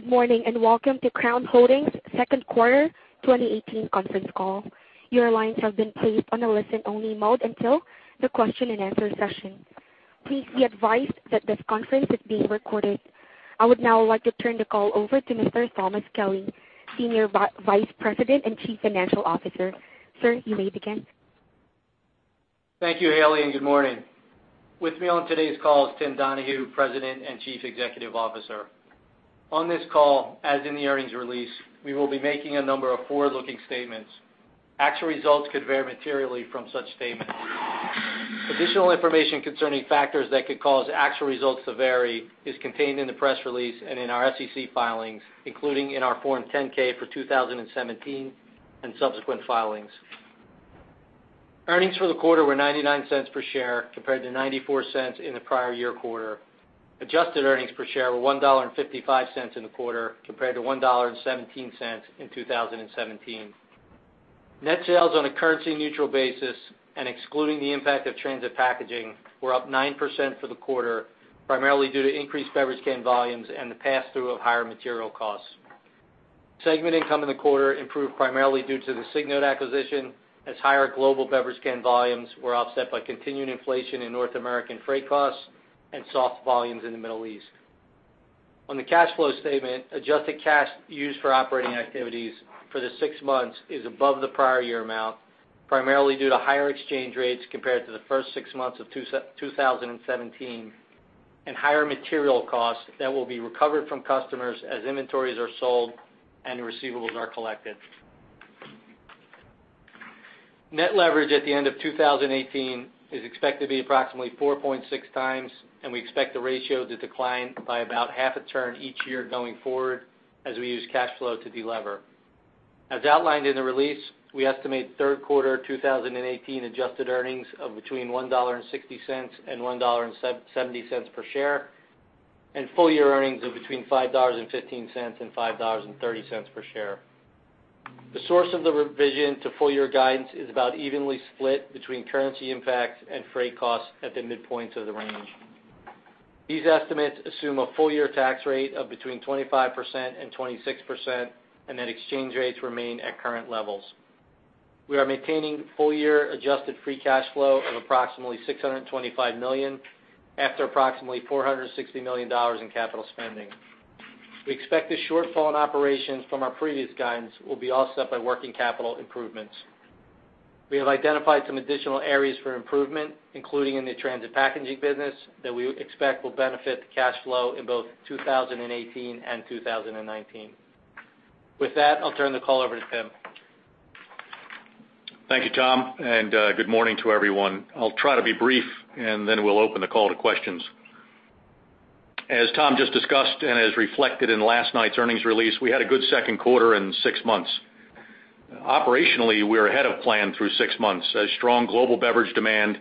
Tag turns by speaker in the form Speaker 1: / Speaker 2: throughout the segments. Speaker 1: Good morning, welcome to Crown Holdings' second quarter 2018 conference call. Your lines have been placed on a listen-only mode until the question and answer session. Please be advised that this conference is being recorded. I would now like to turn the call over to Mr. Thomas Kelly, Senior Vice President and Chief Financial Officer. Sir, you may begin.
Speaker 2: Thank you, Hailey, good morning. With me on today's call is Tim Donahue, President and Chief Executive Officer. On this call, as in the earnings release, we will be making a number of forward-looking statements. Actual results could vary materially from such statements. Additional information concerning factors that could cause actual results to vary is contained in the press release and in our SEC filings, including in our Form 10-K for 2017 and subsequent filings. Earnings for the quarter were $0.99 per share compared to $0.94 in the prior year quarter. Adjusted earnings per share were $1.55 in the quarter compared to $1.17 in 2017. Net sales on a currency-neutral basis and excluding the impact of Transit Packaging were up 9% for the quarter, primarily due to increased beverage can volumes and the pass-through of higher material costs. Segment income in the quarter improved primarily due to the Signode acquisition as higher global beverage can volumes were offset by continuing inflation in North American freight costs and soft volumes in the Middle East. On the cash flow statement, adjusted cash used for operating activities for the six months is above the prior year amount, primarily due to higher exchange rates compared to the first six months of 2017 and higher material costs that will be recovered from customers as inventories are sold and receivables are collected. Net leverage at the end of 2018 is expected to be approximately 4.6 times, and we expect the ratio to decline by about half a turn each year going forward as we use cash flow to delever. As outlined in the release, we estimate third quarter 2018 adjusted earnings of between $1.60 and $1.70 per share, and full-year earnings of between $5.15 and $5.30 per share. The source of the revision to full-year guidance is about evenly split between currency impacts and freight costs at the midpoints of the range. These estimates assume a full-year tax rate of between 25% and 26% and that exchange rates remain at current levels. We are maintaining full-year adjusted free cash flow of approximately $625 million after approximately $460 million in capital spending. We expect the shortfall in operations from our previous guidance will be offset by working capital improvements. We have identified some additional areas for improvement, including in the Transit Packaging business, that we expect will benefit the cash flow in both 2018 and 2019. With that, I'll turn the call over to Tim.
Speaker 3: Thank you, Tom, and good morning to everyone. I'll try to be brief. Then we'll open the call to questions. As Tom just discussed and as reflected in last night's earnings release, we had a good second quarter and six months. Operationally, we are ahead of plan through six months. A strong global beverage demand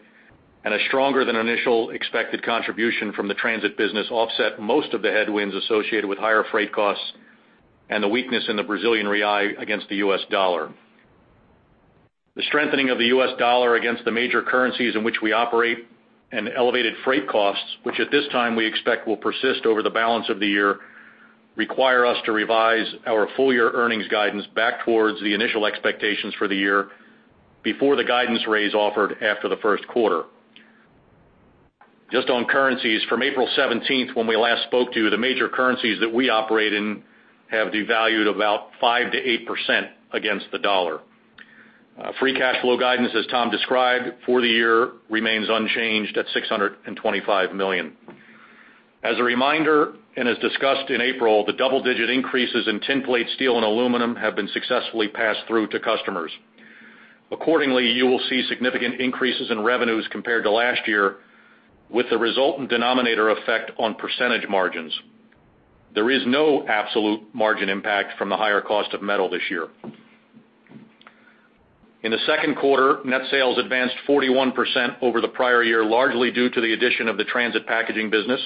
Speaker 3: and a stronger than initial expected contribution from the Transit Packaging business offset most of the headwinds associated with higher freight costs and the weakness in the Brazilian real against the US dollar. The strengthening of the US dollar against the major currencies in which we operate and elevated freight costs, which at this time we expect will persist over the balance of the year, require us to revise our full-year earnings guidance back towards the initial expectations for the year before the guidance raise offered after the first quarter. Just on currencies, from April 17th, when we last spoke to you, the major currencies that we operate in have devalued about 5%-8% against the US dollar. Free cash flow guidance, as Tom described, for the year remains unchanged at $625 million. As a reminder, as discussed in April, the double-digit increases in tin plate steel and aluminum have been successfully passed through to customers. Accordingly, you will see significant increases in revenues compared to last year with the resultant denominator effect on percentage margins. There is no absolute margin impact from the higher cost of metal this year. In the second quarter, net sales advanced 41% over the prior year, largely due to the addition of the Transit Packaging business.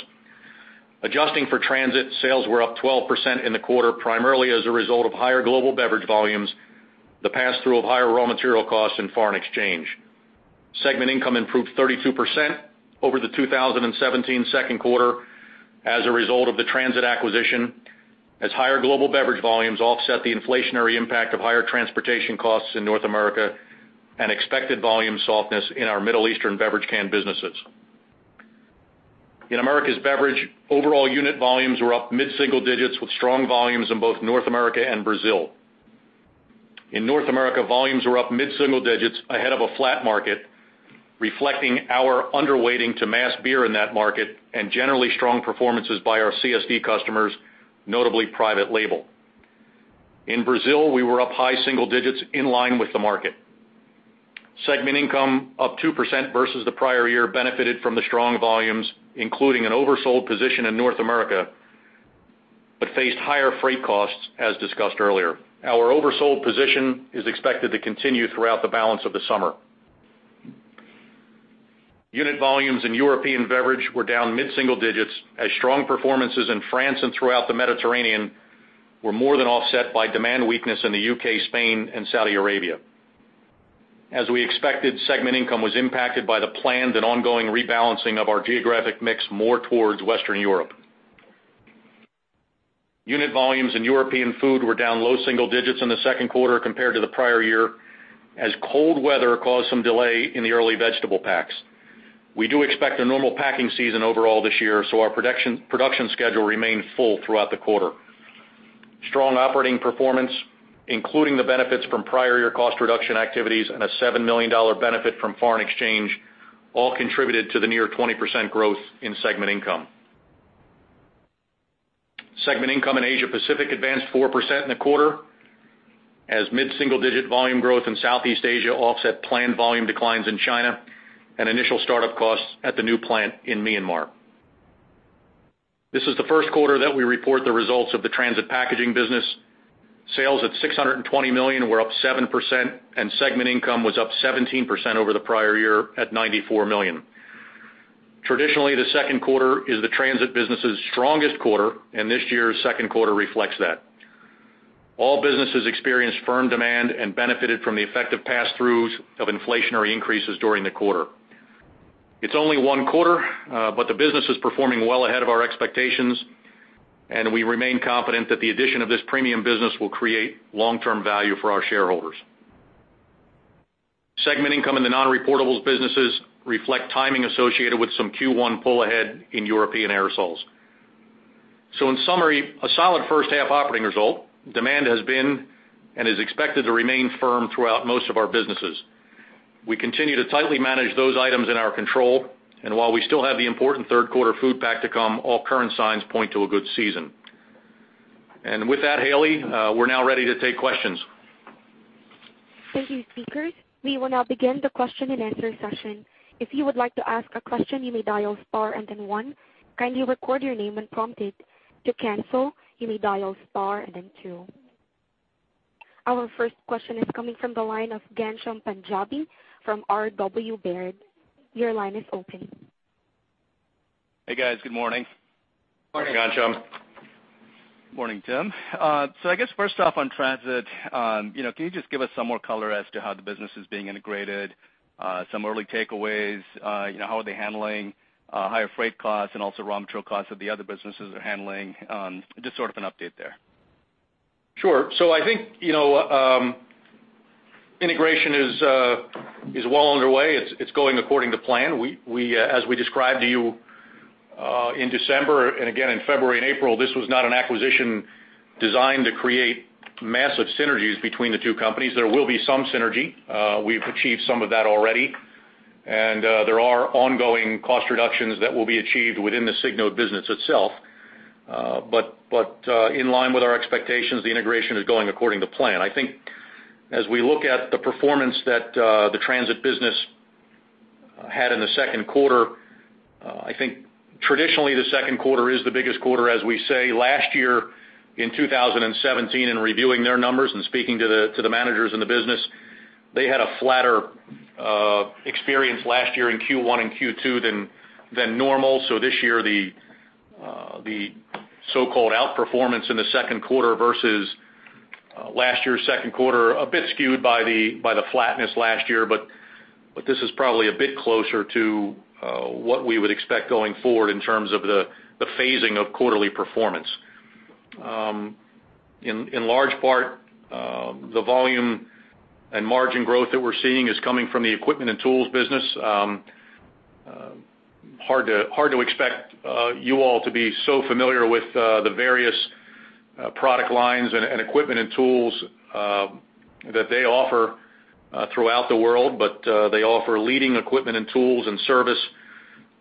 Speaker 3: Adjusting for Transit, sales were up 12% in the quarter, primarily as a result of higher global beverage volumes, the pass-through of higher raw material costs, and foreign exchange. Segment income improved 32% over the 2017 second quarter as a result of the Transit acquisition, as higher global beverage volumes offset the inflationary impact of higher transportation costs in North America and expected volume softness in our Middle Eastern beverage can businesses. In Americas Beverage, overall unit volumes were up mid-single digits with strong volumes in both North America and Brazil. In North America, volumes were up mid-single digits ahead of a flat market, reflecting our underweighting to mass beer in that market and generally strong performances by our CSD customers, notably private label. In Brazil, we were up high single digits in line with the market. Segment income up 2% versus the prior year benefited from the strong volumes, including an oversold position in North America, but faced higher freight costs as discussed earlier. Our oversold position is expected to continue throughout the balance of the summer. Unit volumes in European Beverage were down mid-single digits as strong performances in France and throughout the Mediterranean were more than offset by demand weakness in the U.K., Spain, and Saudi Arabia. As we expected, segment income was impacted by the planned and ongoing rebalancing of our geographic mix more towards Western Europe. Unit volumes in European Food were down low single digits in the second quarter compared to the prior year, as cold weather caused some delay in the early vegetable packs. We do expect a normal packing season overall this year, our production schedule remained full throughout the quarter. Strong operating performance, including the benefits from prior year cost reduction activities and a $7 million benefit from foreign exchange, all contributed to the near 20% growth in segment income. Segment income in Asia Pacific advanced 4% in the quarter, as mid-single-digit volume growth in Southeast Asia offset planned volume declines in China and initial start-up costs at the new plant in Myanmar. This is the first quarter that we report the results of the Transit Packaging business. Sales at $620 million were up 7%, and segment income was up 17% over the prior year at $94 million. Traditionally, the second quarter is the transit business's strongest quarter, and this year's second quarter reflects that. All businesses experienced firm demand and benefited from the effective pass-throughs of inflationary increases during the quarter. It's only one quarter, but the business is performing well ahead of our expectations, and we remain confident that the addition of this premium business will create long-term value for our shareholders. Segment income in the non-reportables businesses reflect timing associated with some Q1 pull ahead in European aerosols. In summary, a solid first-half operating result. Demand has been and is expected to remain firm throughout most of our businesses. We continue to tightly manage those items in our control, and while we still have the important third quarter food pack to come, all current signs point to a good season. With that, Hailey, we're now ready to take questions.
Speaker 1: Thank you, speakers. We will now begin the question and answer session. If you would like to ask a question, you may dial star and then one. Kindly record your name when prompted. To cancel, you may dial star and then two. Our first question is coming from the line of Ghansham Panjabi from RW Baird. Your line is open.
Speaker 4: Hey, guys. Good morning.
Speaker 3: Morning.
Speaker 1: Good morning, Ghansham.
Speaker 4: Good morning, Tim. First off on transit, can you just give us some more color as to how the business is being integrated, some early takeaways, how are they handling higher freight costs and also raw material costs that the other businesses are handling? Just sort of an update there.
Speaker 3: Sure. I think integration is well underway. It's going according to plan. As we described to you in December and again in February and April, this was not an acquisition designed to create massive synergies between the two companies. There will be some synergy. We've achieved some of that already, and there are ongoing cost reductions that will be achieved within the Signode business itself. In line with our expectations, the integration is going according to plan. I think as we look at the performance that the transit business had in the second quarter, I think traditionally the second quarter is the biggest quarter, as we say. Last year in 2017, in reviewing their numbers and speaking to the managers in the business, they had a flatter experience last year in Q1 and Q2 than normal. This year, the so-called outperformance in the second quarter versus last year's second quarter, a bit skewed by the flatness last year, this is probably a bit closer to what we would expect going forward in terms of the phasing of quarterly performance. In large part, the volume and margin growth that we're seeing is coming from the equipment and tools business. Hard to expect you all to be so familiar with the various product lines and equipment and tools that they offer throughout the world. They offer leading equipment and tools and service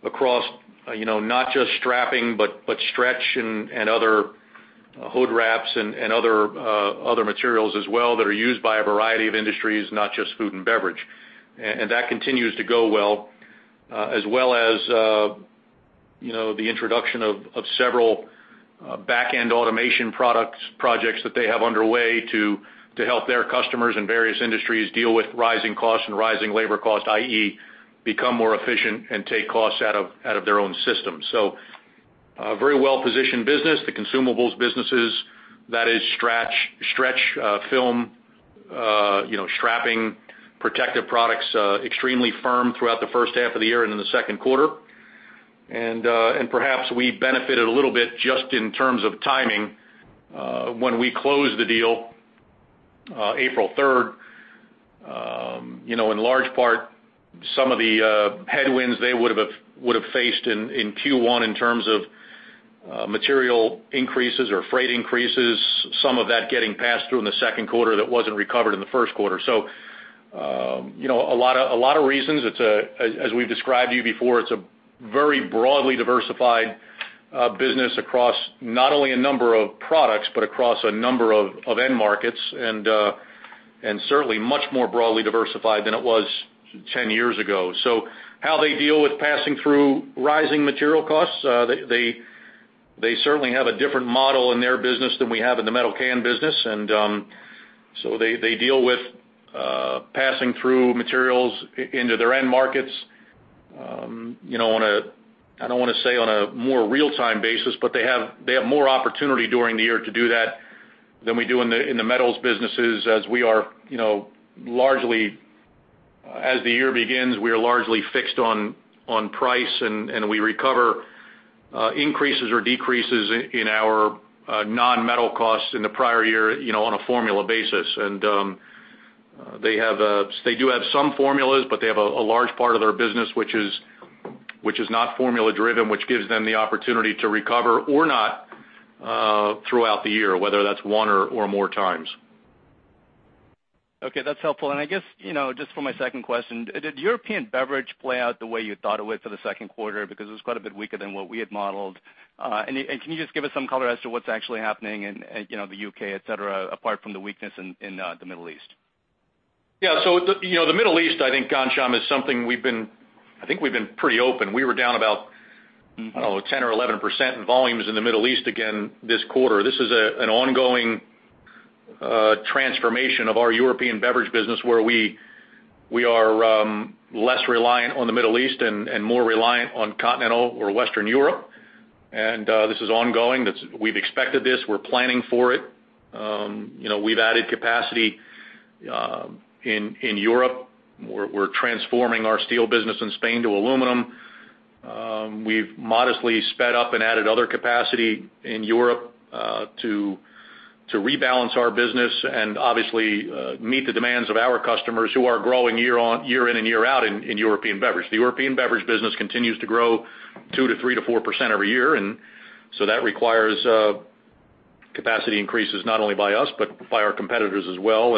Speaker 3: across not just strapping, but stretch and other hood wraps and other materials as well that are used by a variety of industries, not just food and beverage. That continues to go well, as well as the introduction of several back-end automation projects that they have underway to help their customers in various industries deal with rising costs and rising labor costs, i.e., become more efficient and take costs out of their own system. A very well-positioned business. The consumables businesses, that is stretch film, strapping protective products, extremely firm throughout the first half of the year and in the second quarter. Perhaps we benefited a little bit just in terms of timing when we closed the deal April 3rd. In large part, some of the headwinds they would have faced in Q1 in terms of material increases or freight increases, some of that getting passed through in the second quarter that wasn't recovered in the first quarter. A lot of reasons. As we've described to you before, it's a very broadly diversified business across not only a number of products, but across a number of end markets, and certainly much more broadly diversified than it was 10 years ago. How they deal with passing through rising material costs, they certainly have a different model in their business than we have in the metal can business. They deal with passing through materials into their end markets I don't want to say on a more real-time basis, but they have more opportunity during the year to do that than we do in the metals businesses as the year begins, we are largely fixed on price, and we recover increases or decreases in our non-metal costs in the prior year on a formula basis. They do have some formulas, but they have a large part of their business which is not formula-driven, which gives them the opportunity to recover or not throughout the year, whether that's one or more times.
Speaker 4: Okay, that's helpful. I guess, just for my second question, did European Beverage play out the way you thought it would for the second quarter? Because it was quite a bit weaker than what we had modeled. Can you just give us some color as to what's actually happening in the U.K., et cetera, apart from the weakness in the Middle East?
Speaker 3: Yeah. The Middle East, I think, Ghansham, is something we've been pretty open. We were down about, I don't know, 10% or 11% in volumes in the Middle East again this quarter. This is an ongoing transformation of our European Beverage business where we are less reliant on the Middle East and more reliant on Continental or Western Europe. This is ongoing. We've expected this. We're planning for it. We've added capacity in Europe. We're transforming our steel business in Spain to aluminum. We've modestly sped up and added other capacity in Europe to rebalance our business and obviously meet the demands of our customers who are growing year in and year out in European Beverage. The European Beverage business continues to grow 2% to 3% to 4% every year. That requires capacity increases not only by us, but by our competitors as well.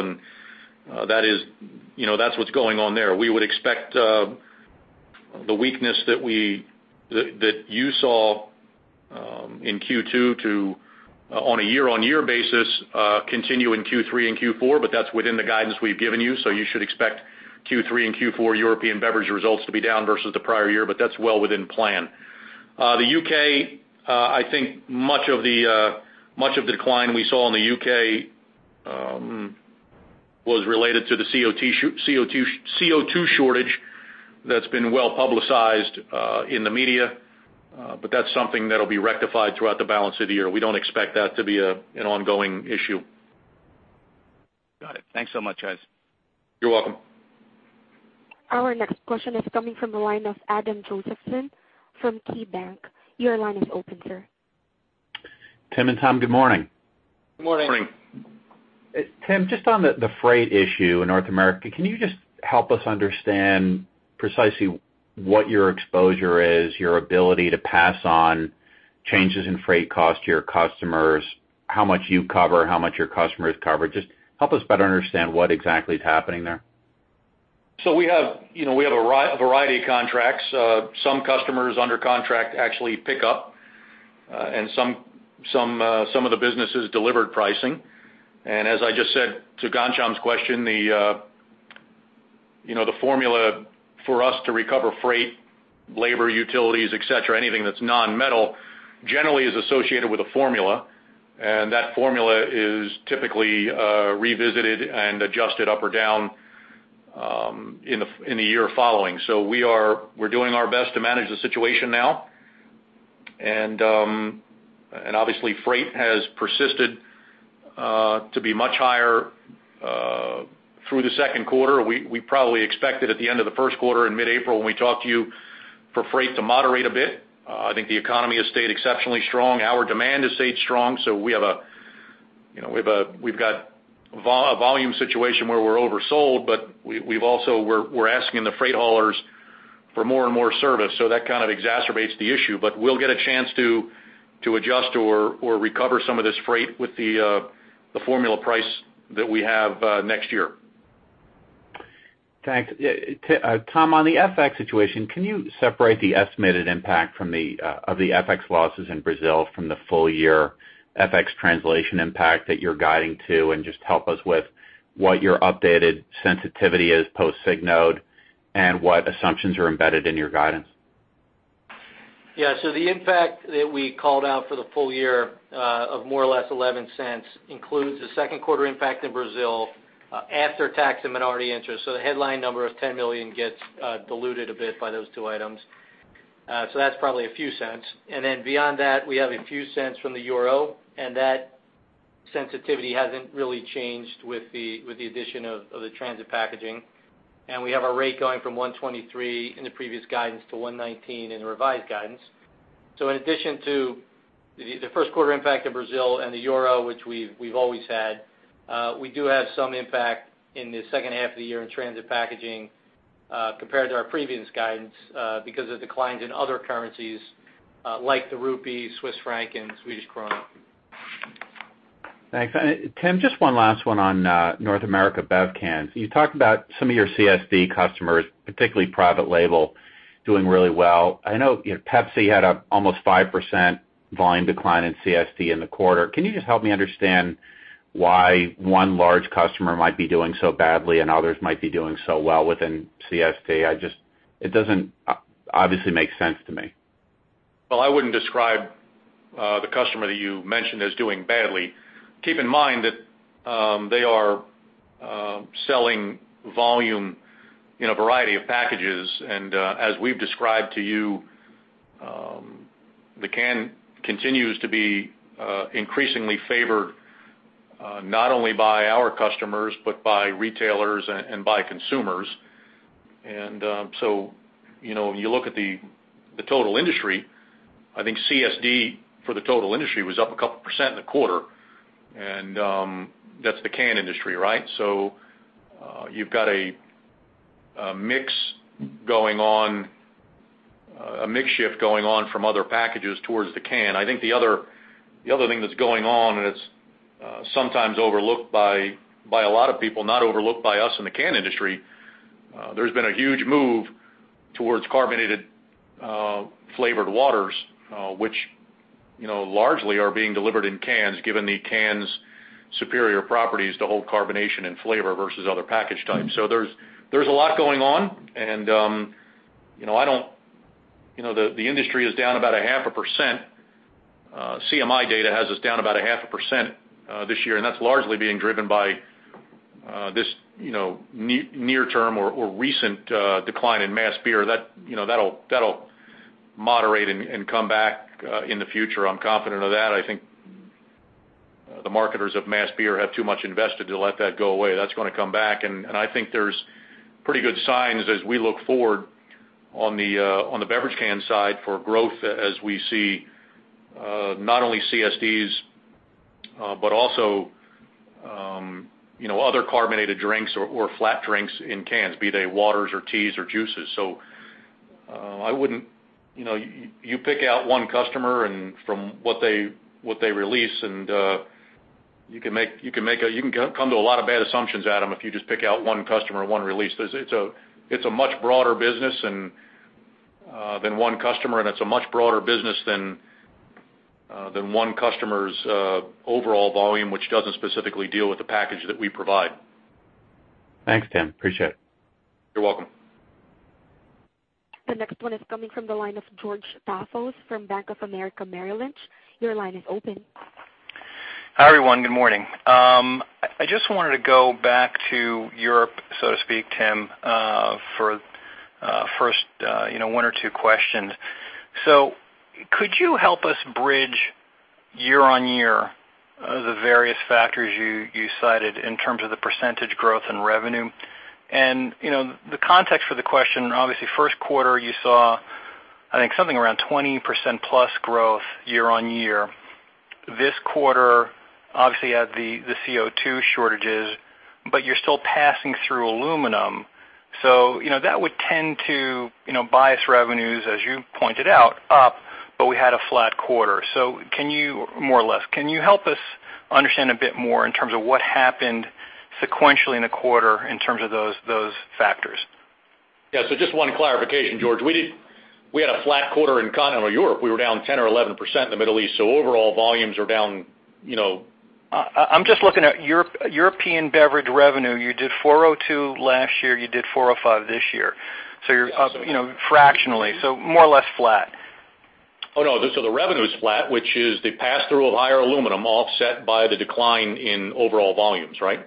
Speaker 3: That's what's going on there. We would expect the weakness that you saw in Q2 to, on a year-over-year basis, continue in Q3 and Q4, but that's within the guidance we've given you. You should expect Q3 and Q4 European Beverage results to be down versus the prior year, but that's well within plan. The U.K., I think much of the decline we saw in the U.K. was related to the CO2 shortage that's been well-publicized in the media. That's something that'll be rectified throughout the balance of the year. We don't expect that to be an ongoing issue.
Speaker 4: Got it. Thanks so much, guys.
Speaker 3: You're welcome.
Speaker 1: Our next question is coming from the line of Adam Josephson from KeyBank. Your line is open, sir.
Speaker 5: Tim and Tom, good morning.
Speaker 3: Good morning.
Speaker 2: Good morning.
Speaker 5: Tim, just on the freight issue in North America, can you just help us understand precisely what your exposure is, your ability to pass on changes in freight cost to your customers, how much you cover, how much your customers cover? Just help us better understand what exactly is happening there.
Speaker 3: We have a variety of contracts. Some customers under contract actually pick up, and some of the business is delivered pricing. As I just said to Ghansham's question, the formula for us to recover freight, labor, utilities, et cetera, anything that's non-metal, generally is associated with a formula, and that formula is typically revisited and adjusted up or down in the year following. We're doing our best to manage the situation now. Obviously freight has persisted to be much higher through the second quarter. We probably expected at the end of the first quarter in mid-April when we talked to you for freight to moderate a bit. I think the economy has stayed exceptionally strong. Our demand has stayed strong. We've got a volume situation where we're oversold, we're asking the freight haulers for more and more service, that kind of exacerbates the issue. We'll get a chance to adjust or recover some of this freight with the formula price that we have next year.
Speaker 5: Thanks. Tom, on the FX situation, can you separate the estimated impact of the FX losses in Brazil from the full-year FX translation impact that you're guiding to? Just help us with what your updated sensitivity is post Signode and what assumptions are embedded in your guidance.
Speaker 2: Yeah. The impact that we called out for the full year of more or less $0.11 includes the second quarter impact in Brazil after tax and minority interest. The headline number of $10 million gets diluted a bit by those two items. That's probably a few cents. Beyond that, we have a few cents from the euro, and that sensitivity hasn't really changed with the addition of the Transit Packaging. We have our rate going from 123 in the previous guidance to 119 in revised guidance. In addition to the first quarter impact of Brazil and the euro, which we've always had, we do have some impact in the second half of the year in Transit Packaging compared to our previous guidance because of declines in other currencies like the rupee, Swiss franc, and Swedish krona.
Speaker 5: Thanks. Tim, just one last one on North America Bev Can. You talked about some of your CSD customers, particularly private label, doing really well. I know Pepsi had an almost 5% volume decline in CSD in the quarter. Can you just help me understand why one large customer might be doing so badly and others might be doing so well within CSD? It doesn't obviously make sense to me.
Speaker 3: Well, I wouldn't describe the customer that you mentioned as doing badly. Keep in mind that they are selling volume in a variety of packages. As we've described to you, the can continues to be increasingly favored, not only by our customers, but by retailers and by consumers. You look at the total industry, I think CSD for the total industry was up a couple of percent in the quarter, and that's the can industry, right? You've got a mix shift going on from other packages towards the can. I think the other thing that's going on, and it's sometimes overlooked by a lot of people, not overlooked by us in the can industry, there's been a huge move towards carbonated flavored waters. Which largely are being delivered in cans, given the can's superior properties to hold carbonation and flavor versus other package types. There's a lot going on, and the industry is down about a half a percent. CMI data has us down about a half a percent this year, and that's largely being driven by this near term or recent decline in mass beer. That'll moderate and come back in the future. I'm confident of that. I think the marketers of mass beer have too much invested to let that go away. That's going to come back. I think there's pretty good signs as we look forward on the beverage can side for growth, as we see not only CSDs, but also other carbonated drinks or flat drinks in cans, be they waters or teas or juices. You pick out one customer and from what they release, and you can come to a lot of bad assumptions, Adam, if you just pick out one customer, one release. It's a much broader business than one customer, and it's a much broader business than one customer's overall volume, which doesn't specifically deal with the package that we provide.
Speaker 5: Thanks, Tim. Appreciate it.
Speaker 3: You're welcome.
Speaker 1: The next one is coming from the line of George Staphos from Bank of America Merrill Lynch. Your line is open.
Speaker 6: Hi, everyone. Good morning. I just wanted to go back to Europe, so to speak, Tim, for first one or 2 questions. Could you help us bridge year-over-year the various factors you cited in terms of the % growth in revenue? The context for the question, obviously, first quarter, you saw, I think, something around 20% plus growth year-over-year. This quarter, obviously, had the CO2 shortages, but you're still passing through aluminum, that would tend to bias revenues, as you pointed out, up, but we had a flat quarter, more or less. Can you help us understand a bit more in terms of what happened sequentially in the quarter in terms of those factors?
Speaker 3: Yeah. Just 1 clarification, George. We had a flat quarter in continental Europe. We were down 10 or 11% in the Middle East. Overall volumes are down-
Speaker 6: I'm just looking at European Beverage revenue. You did $402 last year, you did $405 this year. You're up fractionally, more or less flat.
Speaker 3: Oh, no. The revenue's flat, which is the pass-through of higher aluminum offset by the decline in overall volumes, right?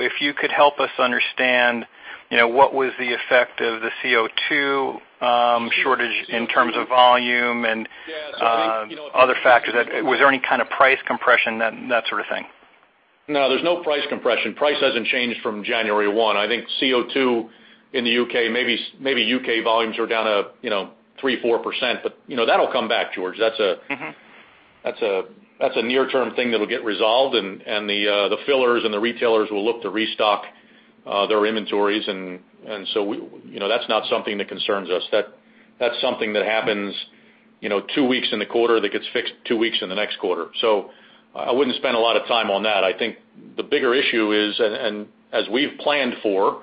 Speaker 6: If you could help us understand what was the effect of the CO2 shortage in terms of volume and other factors. Was there any kind of price compression, that sort of thing?
Speaker 3: No, there's no price compression. Price hasn't changed from January 1. I think CO2 in the U.K., maybe U.K. volumes are down at 3%, 4%, but that'll come back, George. That's a near-term thing that'll get resolved, the fillers and the retailers will look to restock their inventories, that's not something that concerns us. That's something that happens two weeks in the quarter that gets fixed two weeks in the next quarter. I wouldn't spend a lot of time on that. I think the bigger issue is, as we've planned for,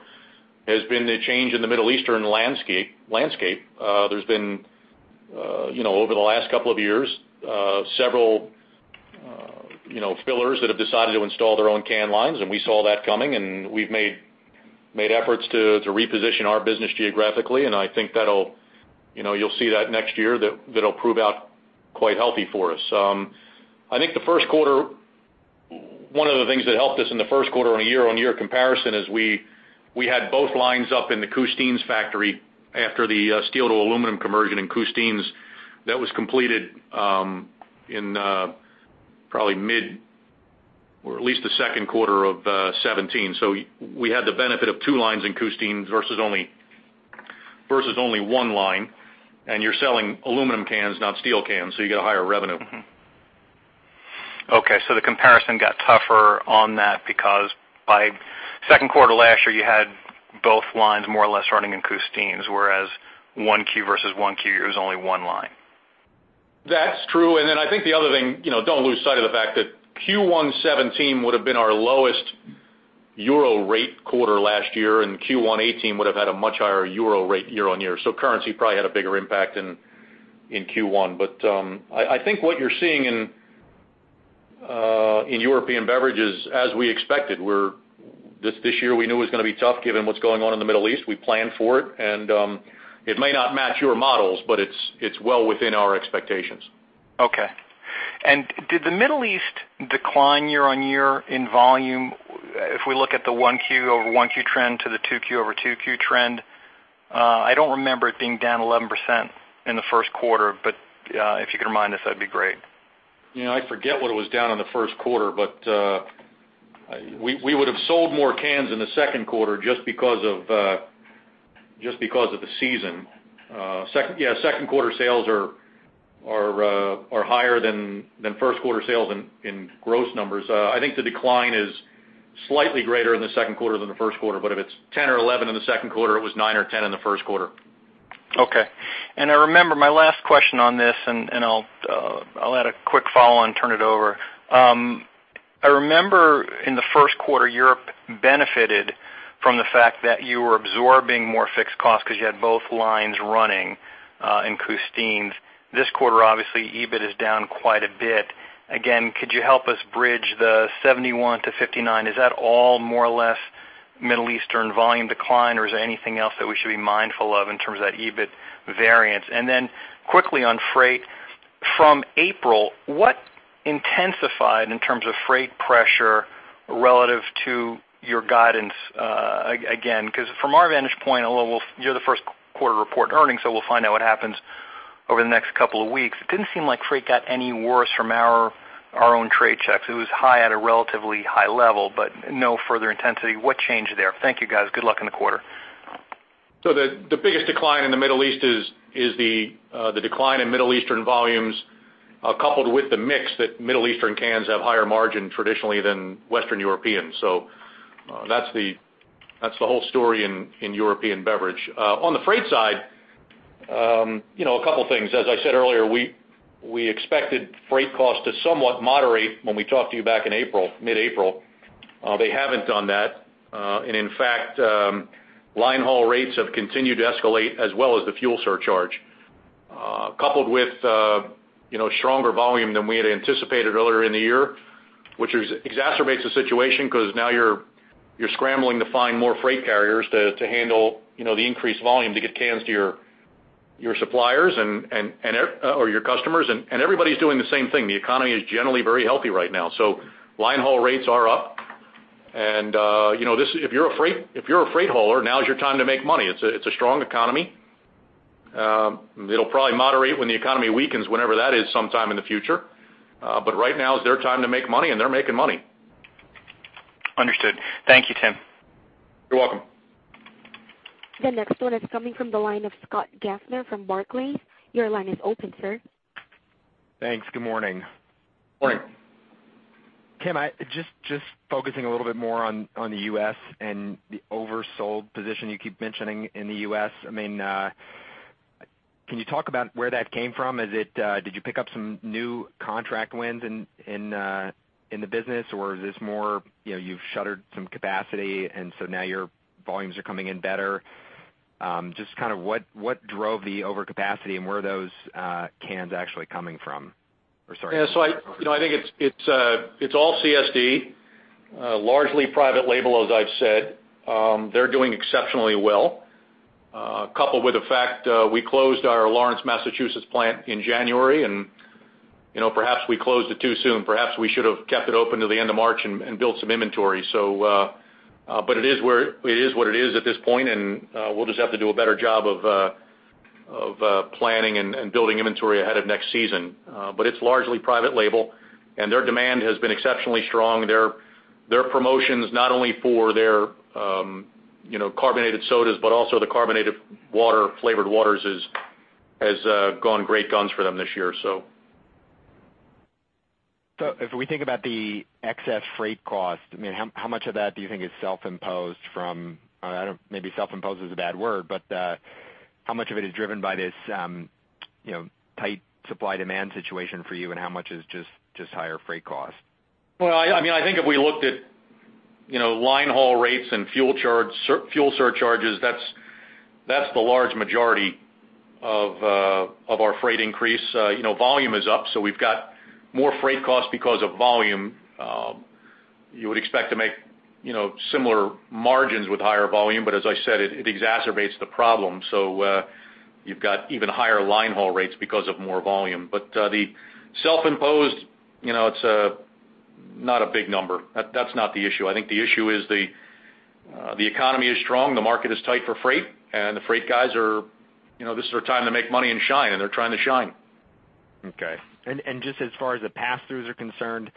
Speaker 3: has been the change in the Middle Eastern landscape. There's been, over the last couple of years, several fillers that have decided to install their own can lines, and we saw that coming, and we've made efforts to reposition our business geographically. I think you'll see that next year that'll prove out quite healthy for us. I think one of the things that helped us in the first quarter on a year-on-year comparison is we had both lines up in the Custines factory after the steel to aluminum conversion in Custines. That was completed in probably mid or at least the second quarter of 2017. We had the benefit of two lines in Custines versus only one line. You're selling aluminum cans, not steel cans, so you get a higher revenue.
Speaker 6: Okay, the comparison got tougher on that because by 2Q last year, you had both lines more or less running in Custines, whereas 1Q versus 1Q, it was only one line.
Speaker 3: That's true. I think the other thing, don't lose sight of the fact that Q1 2017 would have been our lowest EUR rate quarter last year, Q1 2018 would have had a much higher EUR rate year-on-year. Currency probably had a bigger impact in Q1. I think what you're seeing in European Beverage, as we expected. This year we knew it was going to be tough given what's going on in the Middle East. We planned for it may not match your models, but it's well within our expectations.
Speaker 6: Okay. Did the Middle East decline year-on-year in volume? If we look at the 1Q over 1Q trend to the 2Q over 2Q trend, I don't remember it being down 11% in the 1Q, if you could remind us, that'd be great.
Speaker 3: I forget what it was down in the 1Q, we would've sold more cans in the 2Q just because of the season. 2Q sales are higher than 1Q sales in gross numbers. I think the decline is slightly greater in the 2Q than the 1Q, if it's 10 or 11 in the 2Q, it was nine or 10 in the 1Q.
Speaker 6: Okay. I remember my last question on this, and I'll add a quick follow-on, turn it over. I remember in the first quarter, Europe benefited from the fact that you were absorbing more fixed costs because you had both lines running in Custines. This quarter, obviously, EBIT is down quite a bit. Again, could you help us bridge the $71 to $59? Is that all more or less Middle Eastern volume decline, or is there anything else that we should be mindful of in terms of that EBIT variance? Quickly on freight, from April, what intensified in terms of freight pressure relative to your guidance, again, because from our vantage point, although you're the first quarter report earnings, we'll find out what happens over the next couple of weeks. It didn't seem like freight got any worse from our own trade checks. It was high at a relatively high level, but no further intensity. What changed there? Thank you, guys. Good luck in the quarter.
Speaker 3: The biggest decline in the Middle East is the decline in Middle Eastern volumes, coupled with the mix that Middle Eastern cans have higher margin traditionally than Western Europeans. That's the whole story in European Beverage. On the freight side, a couple of things. As I said earlier, we expected freight costs to somewhat moderate when we talked to you back in mid-April. They haven't done that. In fact, line haul rates have continued to escalate as well as the fuel surcharge, coupled with stronger volume than we had anticipated earlier in the year, which exacerbates the situation because now you're scrambling to find more freight carriers to handle the increased volume to get cans to your suppliers or your customers. Everybody's doing the same thing. The economy is generally very healthy right now. Line haul rates are up, and if you're a freight hauler, now's your time to make money. It's a strong economy. It'll probably moderate when the economy weakens, whenever that is, sometime in the future. Right now it's their time to make money, and they're making money.
Speaker 6: Understood. Thank you, Tim.
Speaker 3: You're welcome.
Speaker 1: The next one is coming from the line of Scott Gaffner from Barclays. Your line is open, sir.
Speaker 7: Thanks. Good morning.
Speaker 3: Morning.
Speaker 7: Tim, just focusing a little bit more on the U.S. and the oversold position you keep mentioning in the U.S. Can you talk about where that came from? Did you pick up some new contract wins in the business, or is this more you've shuttered some capacity and now your volumes are coming in better? Just what drove the overcapacity and where are those cans actually coming from?
Speaker 3: I think it's all CSD, largely private label, as I've said. They're doing exceptionally well, coupled with the fact we closed our Lawrence, Massachusetts plant in January and perhaps we closed it too soon. Perhaps we should have kept it open to the end of March and built some inventory. It is what it is at this point, and we'll just have to do a better job of planning and building inventory ahead of next season. It's largely private label, and their demand has been exceptionally strong. Their promotions, not only for their carbonated sodas, but also the carbonated flavored waters has gone great guns for them this year.
Speaker 7: If we think about the excess freight cost, how much of that do you think is self-imposed, maybe self-imposed is a bad word, but how much of it is driven by this tight supply-demand situation for you, and how much is just higher freight cost?
Speaker 3: I think if we looked at line haul rates and fuel surcharges, that's the large majority of our freight increase. Volume is up, so we've got more freight costs because of volume. You would expect to make similar margins with higher volume. As I said, it exacerbates the problem. You've got even higher line haul rates because of more volume. The self-imposed, it's not a big number. That's not the issue. I think the issue is the economy is strong, the market is tight for freight, and the freight guys, this is their time to make money and shine, and they're trying to shine.
Speaker 7: Okay. Just as far as the pass-throughs are concerned,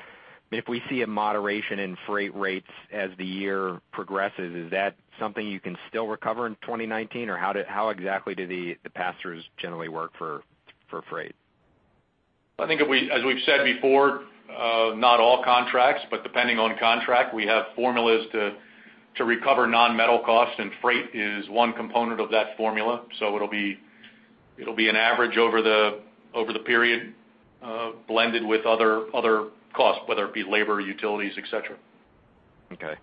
Speaker 7: if we see a moderation in freight rates as the year progresses, is that something you can still recover in 2019? How exactly do the pass-throughs generally work for freight?
Speaker 3: I think as we've said before, not all contracts, but depending on contract, we have formulas to recover non-metal costs, and freight is one component of that formula. It'll be an average over the period, blended with other costs, whether it be labor, utilities, et cetera.
Speaker 7: Okay.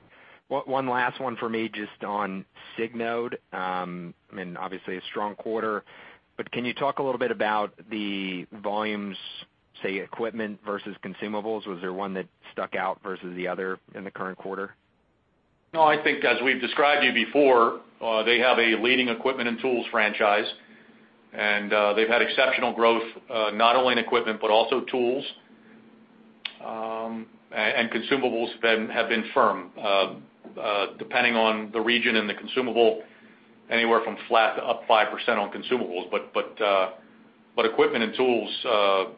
Speaker 7: One last one for me, just on Signode. Obviously, a strong quarter, can you talk a little bit about the volumes, say, equipment versus consumables? Was there one that stuck out versus the other in the current quarter?
Speaker 3: No, I think as we've described to you before, they have a leading equipment and tools franchise, and they've had exceptional growth, not only in equipment, but also tools. Consumables have been firm. Depending on the region and the consumable, anywhere from flat to up 5% on consumables. Equipment and tools,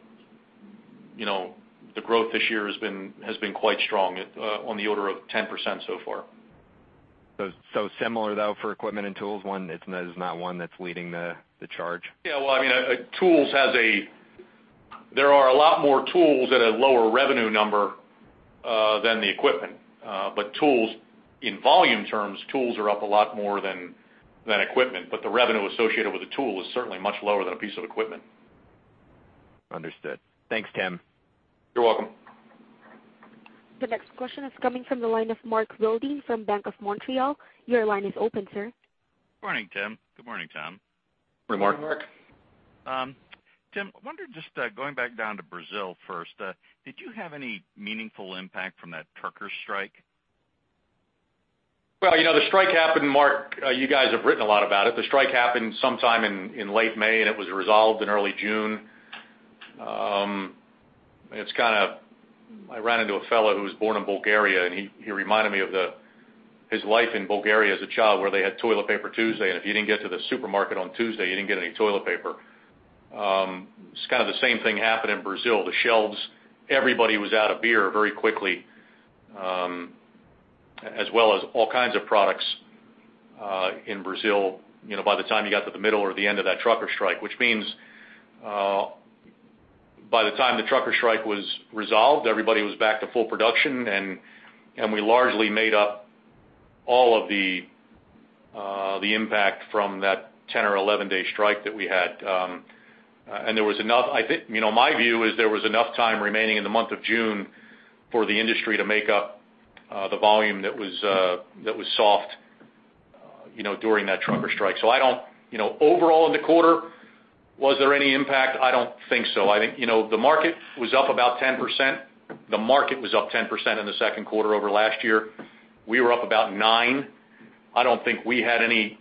Speaker 3: the growth this year has been quite strong, on the order of 10% so far.
Speaker 7: Similar, though, for equipment and tools? There's not one that's leading the charge?
Speaker 3: Yeah. There are a lot more tools at a lower revenue number than the equipment. In volume terms, tools are up a lot more than equipment. The revenue associated with a tool is certainly much lower than a piece of equipment.
Speaker 7: Understood. Thanks, Tim.
Speaker 3: You're welcome.
Speaker 1: The next question is coming from the line of Mark Wilde from Bank of Montreal. Your line is open, sir.
Speaker 8: Good morning, Tim. Good morning, Tom.
Speaker 3: Good morning, Mark.
Speaker 8: Tim, I wondered, just going back down to Brazil first, did you have any meaningful impact from that trucker strike?
Speaker 3: Well, the strike happened, Mark, you guys have written a lot about it. The strike happened sometime in late May, and it was resolved in early June. I ran into a fellow who was born in Bulgaria, and he reminded me of his life in Bulgaria as a child, where they had Toilet Paper Tuesday, and if you didn't get to the supermarket on Tuesday, you didn't get any toilet paper. It's kind of the same thing happened in Brazil. The shelves, everybody was out of beer very quickly, as well as all kinds of products in Brazil by the time you got to the middle or the end of that trucker strike. Which means by the time the trucker strike was resolved, everybody was back to full production, and we largely made up all of the impact from that 10 or 11-day strike that we had. My view is there was enough time remaining in the month of June for the industry to make up the volume that was soft during that trucker strike. Overall in the quarter, was there any impact? I don't think so. I think the market was up about 10%. The market was up 10% in the second quarter over last year. We were up about 9%. I don't think we had any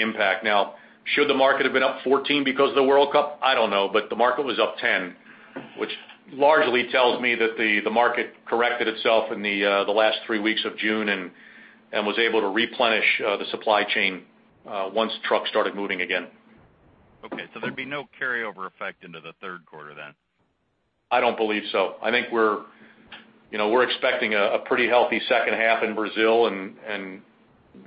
Speaker 3: impact. Now, should the market have been up 14% because of the World Cup? I don't know, but the market was up 10%, which largely tells me that the market corrected itself in the last three weeks of June and was able to replenish the supply chain once trucks started moving again.
Speaker 8: Okay, there'd be no carryover effect into the third quarter then?
Speaker 3: I don't believe so. I think we're expecting a pretty healthy second half in Brazil.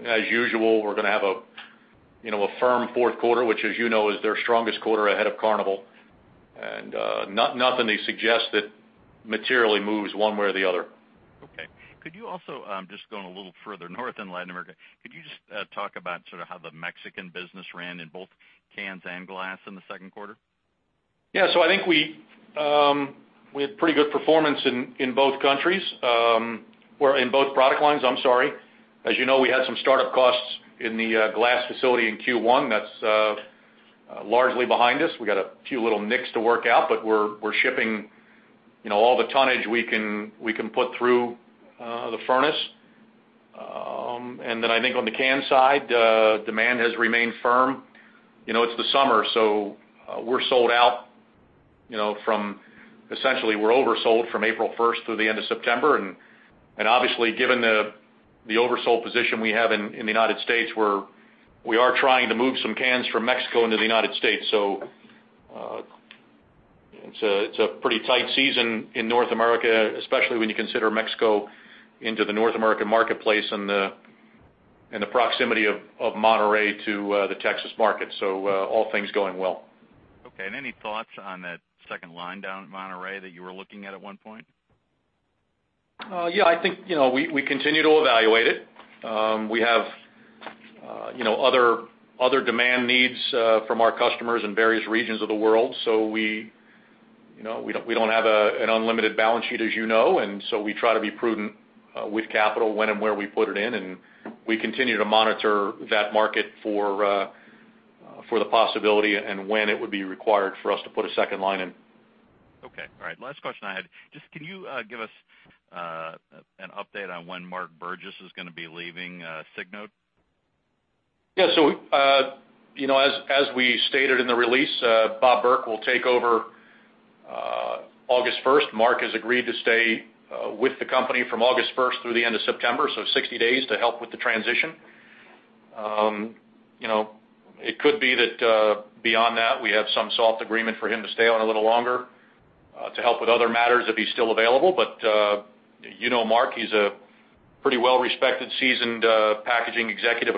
Speaker 3: As usual, we're going to have a firm fourth quarter, which as you know, is their strongest quarter ahead of Carnival. Nothing to suggest that materially moves one way or the other.
Speaker 8: Okay. Could you also, just going a little further north in Latin America, could you just talk about how the Mexican business ran in both cans and glass in the second quarter?
Speaker 3: Yeah. I think we had pretty good performance in both countries. Or in both product lines, I'm sorry. As you know, we had some startup costs in the glass facility in Q1 that's largely behind us. We got a few little nicks to work out, but we're shipping all the tonnage we can put through the furnace. I think on the can side, demand has remained firm. It's the summer, so we're sold out from, essentially we're oversold from April 1st through the end of September. Obviously, given the oversold position we have in the U.S., we are trying to move some cans from Mexico into the U.S. It's a pretty tight season in North America, especially when you consider Mexico into the North American marketplace and the proximity of Monterrey to the Texas market. All things going well.
Speaker 8: Okay. Any thoughts on that second line down at Monterrey that you were looking at at one point?
Speaker 3: Yeah, I think we continue to evaluate it. We have other demand needs from our customers in various regions of the world. We don't have an unlimited balance sheet, as you know, and so we try to be prudent with capital when and where we put it in, and we continue to monitor that market for the possibility and when it would be required for us to put a second line in.
Speaker 8: Okay. All right. Last question I had. Just, can you give us an update on when Mark Burgess is going to be leaving Signode?
Speaker 3: Yeah. As we stated in the release, Bob Burke will take over August 1st. Mark has agreed to stay with the company from August 1st through the end of September, so 60 days to help with the transition. It could be that beyond that, we have some soft agreement for him to stay on a little longer to help with other matters if he's still available. You know Mark, he's a pretty well-respected, seasoned packaging executive,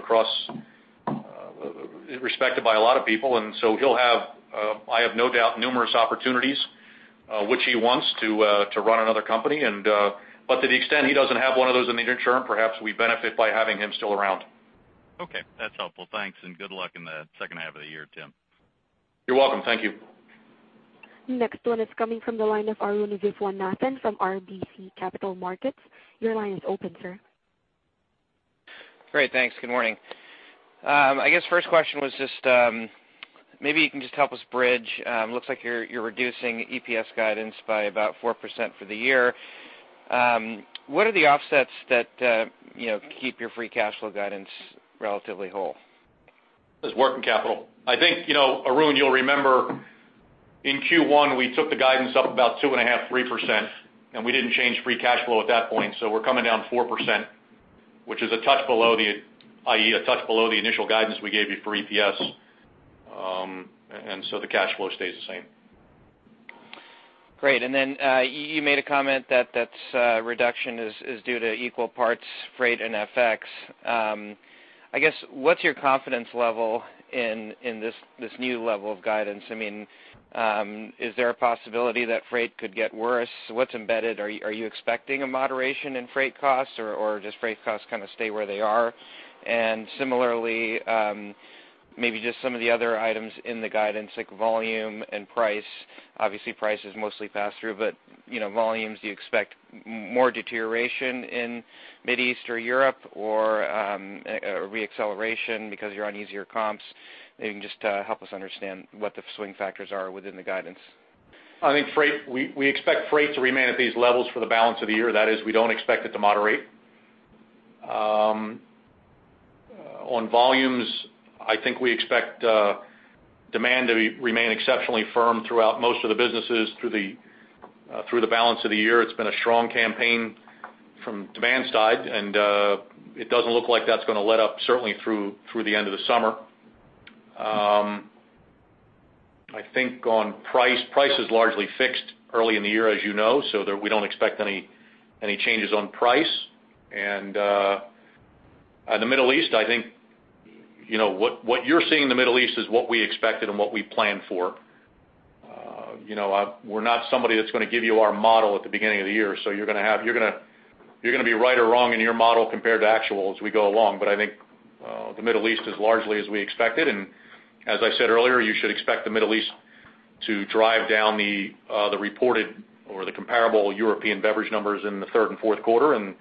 Speaker 3: respected by a lot of people. He'll have, I have no doubt, numerous opportunities which he wants to run another company. To the extent he doesn't have one of those in the near term, perhaps we benefit by having him still around.
Speaker 8: Okay, that's helpful. Thanks, good luck in the second half of the year, Tim.
Speaker 3: You're welcome. Thank you.
Speaker 1: Next one is coming from the line of Arun Viswanathan from RBC Capital Markets. Your line is open, sir.
Speaker 9: Great. Thanks. Good morning. I guess first question was just, maybe you can just help us bridge. Looks like you're reducing EPS guidance by about 4% for the year. What are the offsets that keep your free cash flow guidance relatively whole?
Speaker 3: It's working capital. I think, Arun, you'll remember in Q1, we took the guidance up about 2.5%, 3%. We didn't change free cash flow at that point. We're coming down 4%, which is a touch below the, i.e., a touch below the initial guidance we gave you for EPS. The cash flow stays the same.
Speaker 9: Great. Then, you made a comment that reduction is due to equal parts Freight and FX. I guess, what's your confidence level in this new level of guidance? Is there a possibility that freight could get worse? What's embedded? Are you expecting a moderation in freight costs, or just freight costs kind of stay where they are? Similarly, maybe just some of the other items in the guidance, like volume and price. Obviously, price is mostly pass-through, but volumes, do you expect more deterioration in Mid East or Europe, or re-acceleration because you're on easier comps? Maybe you can just help us understand what the swing factors are within the guidance.
Speaker 3: I think we expect freight to remain at these levels for the balance of the year. That is, we don't expect it to moderate. On volumes, I think we expect demand to remain exceptionally firm throughout most of the businesses through the balance of the year. It's been a strong campaign from demand side. It doesn't look like that's going to let up, certainly through the end of the summer. I think on price is largely fixed early in the year, as you know, so we don't expect any changes on price. The Middle East, I think what you're seeing in the Middle East is what we expected and what we planned for. We're not somebody that's going to give you our model at the beginning of the year, so you're going to be right or wrong in your model compared to actual as we go along. I think the Middle East is largely as we expected, and as I said earlier, you should expect the Middle East to drive down the reported or the comparable European Beverage numbers in the third and fourth quarter, and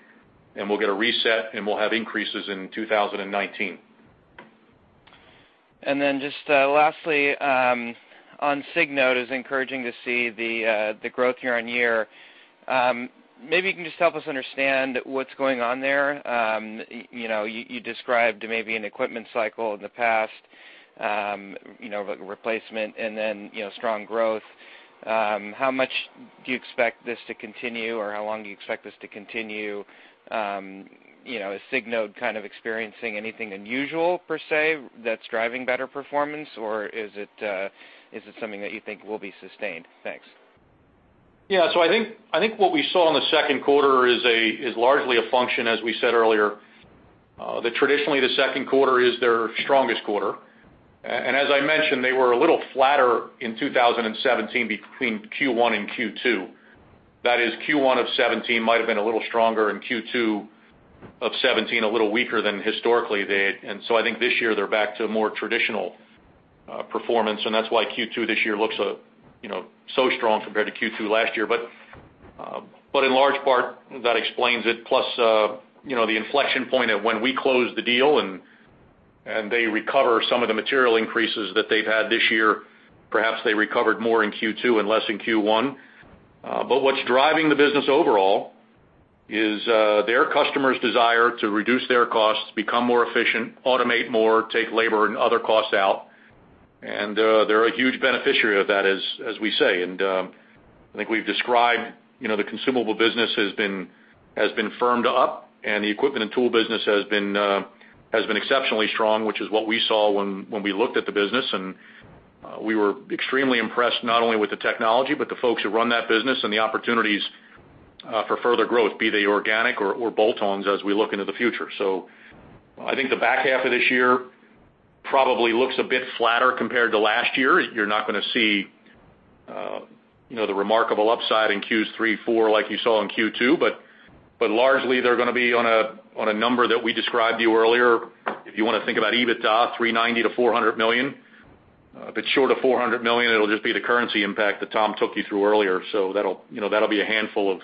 Speaker 3: we'll get a reset, and we'll have increases in 2019.
Speaker 9: Just lastly, on Signode, it's encouraging to see the growth year-over-year. Maybe you can just help us understand what's going on there. You described maybe an equipment cycle in the past, like a replacement and then strong growth. How much do you expect this to continue, or how long do you expect this to continue? Is Signode kind of experiencing anything unusual, per se, that's driving better performance, or is it something that you think will be sustained? Thanks.
Speaker 3: Yeah. I think what we saw in the second quarter is largely a function, as we said earlier, that traditionally the second quarter is their strongest quarter. As I mentioned, they were a little flatter in 2017 between Q1 and Q2. That is, Q1 of 2017 might have been a little stronger, and Q2 of 2017, a little weaker than historically they had. I think this year they're back to a more traditional performance, and that's why Q2 this year looks so strong compared to Q2 last year. In large part, that explains it. Plus, the inflection point of when we close the deal and they recover some of the material increases that they've had this year, perhaps they recovered more in Q2 and less in Q1. What's driving the business overall is their customers' desire to reduce their costs, become more efficient, automate more, take labor and other costs out, and they're a huge beneficiary of that, as we say. I think we've described the consumable business has been firmed up, and the equipment and tool business has been exceptionally strong, which is what we saw when we looked at the business, and we were extremely impressed, not only with the technology, but the folks who run that business and the opportunities for further growth, be they organic or bolt-ons as we look into the future. I think the back half of this year probably looks a bit flatter compared to last year. You're not going to see the remarkable upside in Q3, 4 like you saw in Q2. Largely, they're going to be on a number that we described to you earlier. If you want to think about EBITDA, $390 million-$400 million. If it's short of $400 million, it'll just be the currency impact that Tom took you through earlier. That'll be a handful of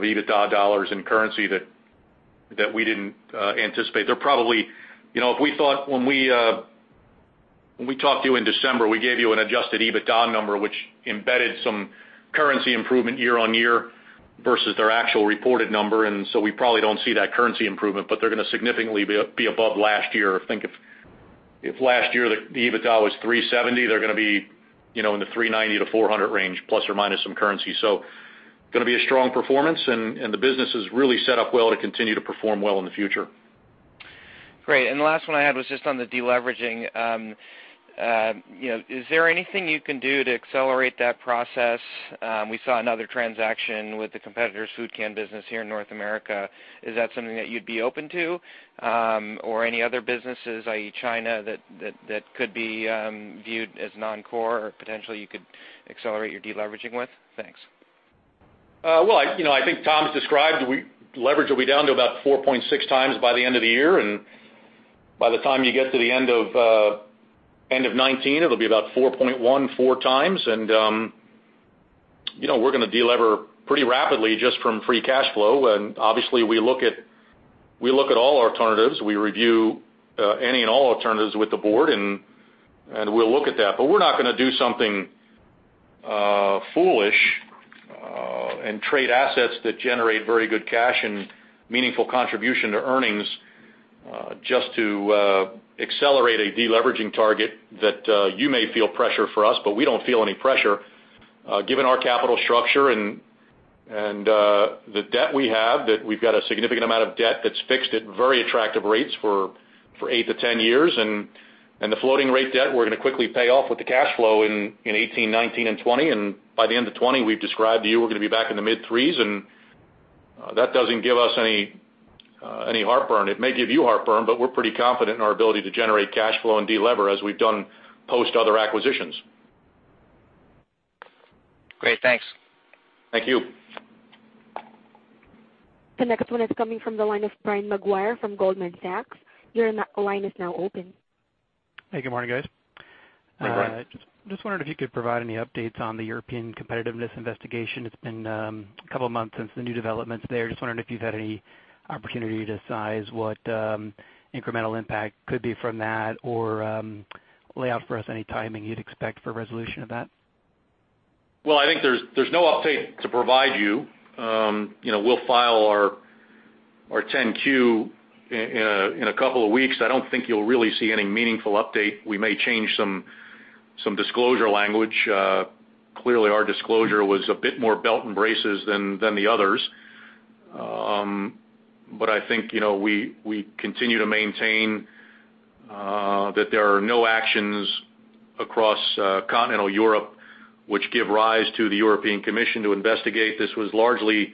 Speaker 3: EBITDA dollars in currency that we didn't anticipate. When we talked to you in December, we gave you an adjusted EBITDA number, which embedded some currency improvement year-over-year versus their actual reported number, and we probably don't see that currency improvement, but they're going to significantly be above last year. I think if last year the EBITDA was $370 million, they're going to be in the $390 million-$400 million range, plus or minus some currency. Going to be a strong performance, and the business is really set up well to continue to perform well in the future.
Speaker 9: Great. The last one I had was just on the de-leveraging. Is there anything you can do to accelerate that process? We saw another transaction with the competitor's food can business here in North America. Is that something that you'd be open to? Or any other businesses, i.e. China, that could be viewed as non-core or potentially you could accelerate your de-leveraging with? Thanks.
Speaker 3: Well, I think Tom's described, leverage will be down to about 4.6 times by the end of the year. By the time you get to the end of 2019, it'll be about 4.1, 4.0 times. We're going to de-lever pretty rapidly just from free cash flow. Obviously, we look at all alternatives. We review any and all alternatives with the board, and we'll look at that. We're not going to do something foolish and trade assets that generate very good cash and meaningful contribution to earnings, just to accelerate a de-leveraging target that you may feel pressure for us, but we don't feel any pressure. Given our capital structure and the debt we have, that we've got a significant amount of debt that's fixed at very attractive rates for 8-10 years. The floating rate debt, we're going to quickly pay off with the cash flow in 2018, 2019, and 2020. By the end of 2020, we've described to you we're going to be back in the mid threes, and that doesn't give us any heartburn. It may give you heartburn, but we're pretty confident in our ability to generate cash flow and de-lever as we've done post other acquisitions.
Speaker 9: Great. Thanks.
Speaker 3: Thank you.
Speaker 1: The next one is coming from the line of Brian Maguire from Goldman Sachs. Your line is now open.
Speaker 10: Hey, good morning, guys.
Speaker 3: Hey, Brian.
Speaker 10: Just wondering if you could provide any updates on the European competitiveness investigation. It's been a couple of months since the new developments there. Just wondering if you've had any opportunity to size what incremental impact could be from that, or lay out for us any timing you'd expect for resolution of that.
Speaker 3: Well, I think there's no update to provide you. We'll file our 10-Q in a couple of weeks. I don't think you'll really see any meaningful update. We may change some disclosure language. Clearly, our disclosure was a bit more belt and braces than the others. I think, we continue to maintain that there are no actions across continental Europe which give rise to the European Commission to investigate. This was largely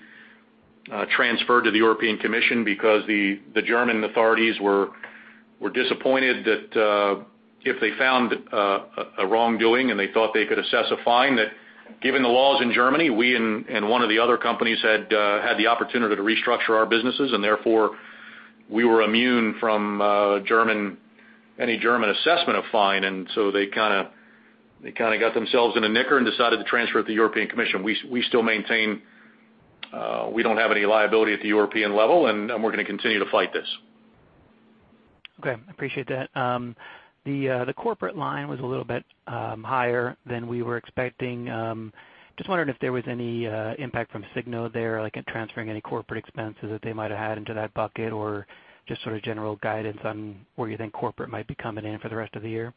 Speaker 3: transferred to the European Commission because the German authorities were disappointed that if they found a wrongdoing and they thought they could assess a fine, that given the laws in Germany, we and one of the other companies had the opportunity to restructure our businesses, and therefore, we were immune from any German assessment of fine. They kind of got themselves in a knicker and decided to transfer it to the European Commission. We still maintain we don't have any liability at the European level, we're going to continue to fight this.
Speaker 10: Okay, appreciate that. The corporate line was a little bit higher than we were expecting. Just wondering if there was any impact from Signode there, like in transferring any corporate expenses that they might have had into that bucket, or just sort of general guidance on where you think corporate might be coming in for the rest of the year.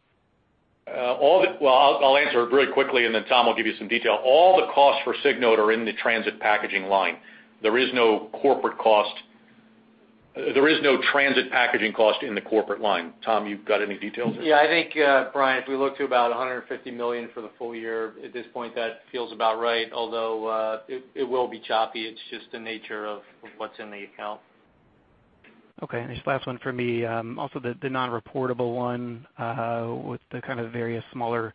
Speaker 3: Well, I'll answer it very quickly, Tom will give you some detail. All the costs for Signode are in the Transit Packaging line. There is no Transit Packaging cost in the corporate line. Tom, you've got any details there?
Speaker 2: Yeah, I think, Brian, if we look to about $150 million for the full year at this point, that feels about right, although it will be choppy. It's just the nature of what's in the account.
Speaker 10: Okay. This last one for me, also the non-reportable one with the kind of various smaller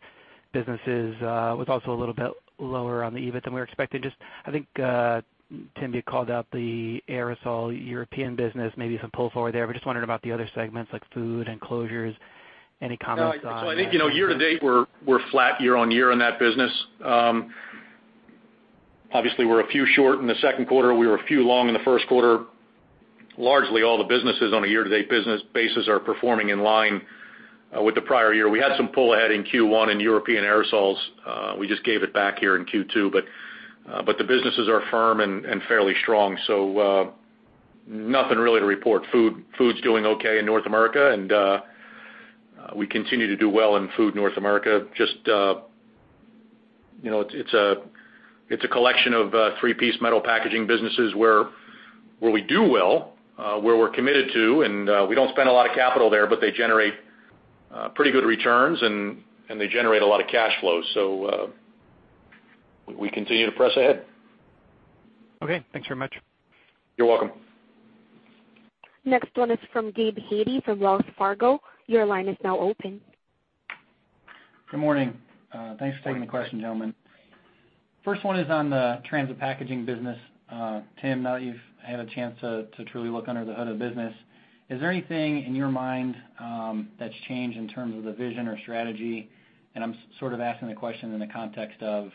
Speaker 10: businesses was also a little bit lower on the EBIT than we were expecting. Just I think, Tim, you called out the aerosol European business, maybe some pull forward there. Just wondering about the other segments, like food and closures. Any comments on that?
Speaker 3: I think year-to-date, we're flat year-on-year in that business. Obviously, we're a few short in the second quarter. We were a few long in the first quarter. Largely all the businesses on a year-to-date business basis are performing in line with the prior year. We had some pull ahead in Q1 in European aerosols. We just gave it back here in Q2. The businesses are firm and fairly strong, nothing really to report. Food is doing okay in North America, and we continue to do well in food North America. Just it's a collection of three-piece metal packaging businesses where we do well, where we're committed to, and we don't spend a lot of capital there, but they generate pretty good returns, and they generate a lot of cash flow. We continue to press ahead.
Speaker 10: Okay, thanks very much.
Speaker 3: You're welcome.
Speaker 1: Next one is from Gabe Hajde from Wells Fargo. Your line is now open.
Speaker 11: Good morning.
Speaker 3: Good morning.
Speaker 11: Thanks for taking the question, gentlemen. First one is on the Transit Packaging business. Tim, now that you've had a chance to truly look under the hood of the business, is there anything in your mind that's changed in terms of the vision or strategy? I'm sort of asking the question in the context of,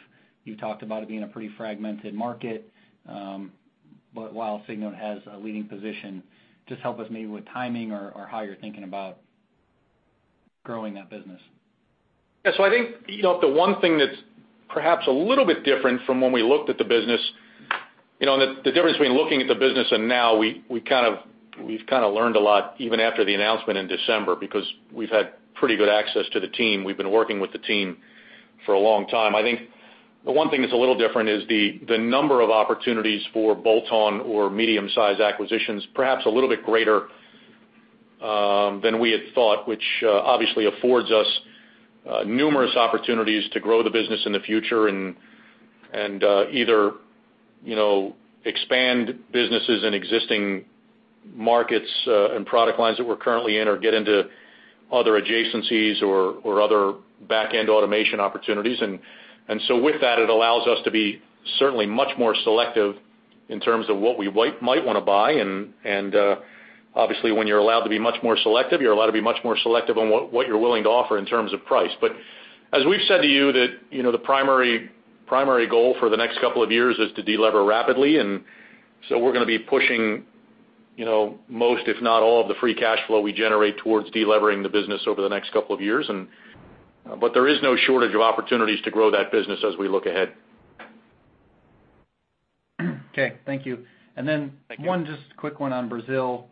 Speaker 11: you talked about it being a pretty fragmented market, but while Signode has a leading position. Just help us maybe with timing or how you're thinking about growing that business.
Speaker 3: Yeah. I think the one thing that's perhaps a little bit different from when we looked at the business, the difference between looking at the business and now, we've kind of learned a lot even after the announcement in December because we've had pretty good access to the team. We've been working with the team for a long time. I think the one thing that's a little different is the number of opportunities for bolt-on or medium-sized acquisitions, perhaps a little bit greater than we had thought, which obviously affords us numerous opportunities to grow the business in the future and either expand businesses in existing markets and product lines that we're currently in or get into other adjacencies or other backend automation opportunities. With that, it allows us to be certainly much more selective in terms of what we might want to buy. Obviously, when you're allowed to be much more selective, you're allowed to be much more selective on what you're willing to offer in terms of price. As we've said to you, the primary goal for the next couple of years is to de-lever rapidly. We're going to be pushing most, if not all, of the free cash flow we generate towards de-levering the business over the next couple of years. There is no shortage of opportunities to grow that business as we look ahead.
Speaker 11: Okay. Thank you.
Speaker 3: Thank you.
Speaker 11: One just quick one on Brazil.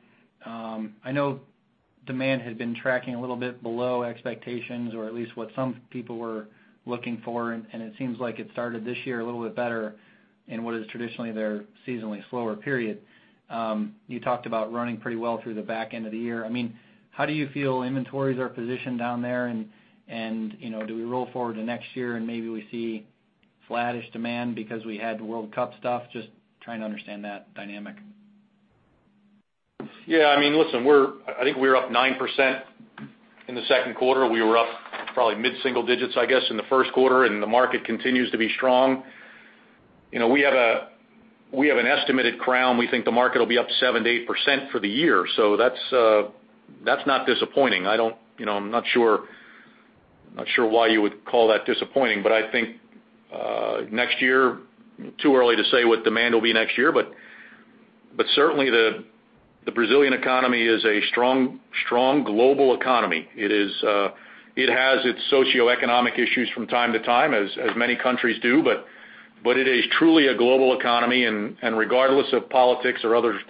Speaker 11: I know demand had been tracking a little bit below expectations, or at least what some people were looking for, and it seems like it started this year a little bit better in what is traditionally their seasonally slower period. You talked about running pretty well through the back end of the year. How do you feel inventories are positioned down there? Do we roll forward to next year and maybe we see flattish demand because we had the World Cup stuff? Just trying to understand that dynamic.
Speaker 3: Yeah. Listen, I think we were up 9% in the second quarter. We were up probably mid-single digits, I guess, in the first quarter, the market continues to be strong. We have an estimate at Crown. We think the market will be up 7%-8% for the year. That's not disappointing. I'm not sure why you would call that disappointing, I think next year, too early to say what demand will be next year, certainly the Brazilian economy is a strong global economy. It has its socioeconomic issues from time to time, as many countries do, but it is truly a global economy, and regardless of politics or other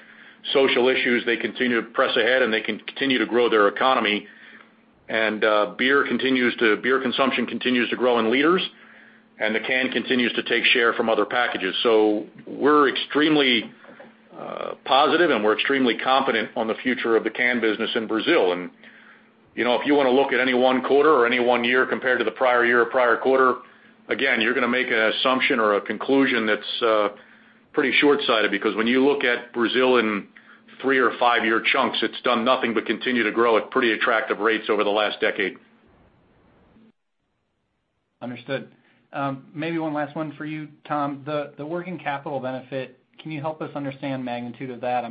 Speaker 3: social issues, they continue to press ahead and they continue to grow their economy. Beer consumption continues to grow in liters, and the can continues to take share from other packages. We're extremely positive and we're extremely confident on the future of the can business in Brazil. If you want to look at any one quarter or any one year compared to the prior year or prior quarter, again, you're going to make an assumption or a conclusion that's pretty shortsighted, because when you look at Brazil in three or five-year chunks, it's done nothing but continue to grow at pretty attractive rates over the last decade.
Speaker 11: Understood. Maybe one last one for you, Tom. The working capital benefit, can you help us understand the magnitude of that?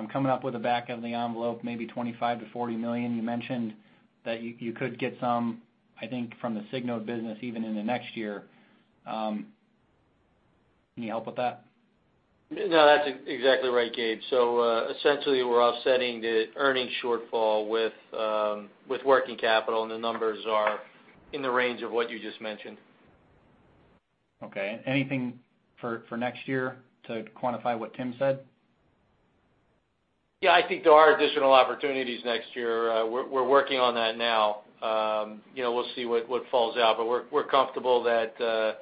Speaker 11: I'm coming up with a back-of-the-envelope, maybe $25 million-$40 million. You mentioned that you could get some, I think, from the Signode business even into next year. Any help with that?
Speaker 2: No, that's exactly right, Gabe. Essentially, we're offsetting the earnings shortfall with working capital, and the numbers are in the range of what you just mentioned.
Speaker 11: Okay. Anything for next year to quantify what Tim said?
Speaker 2: Yeah, I think there are additional opportunities next year. We're working on that now. We'll see what falls out, but we're comfortable that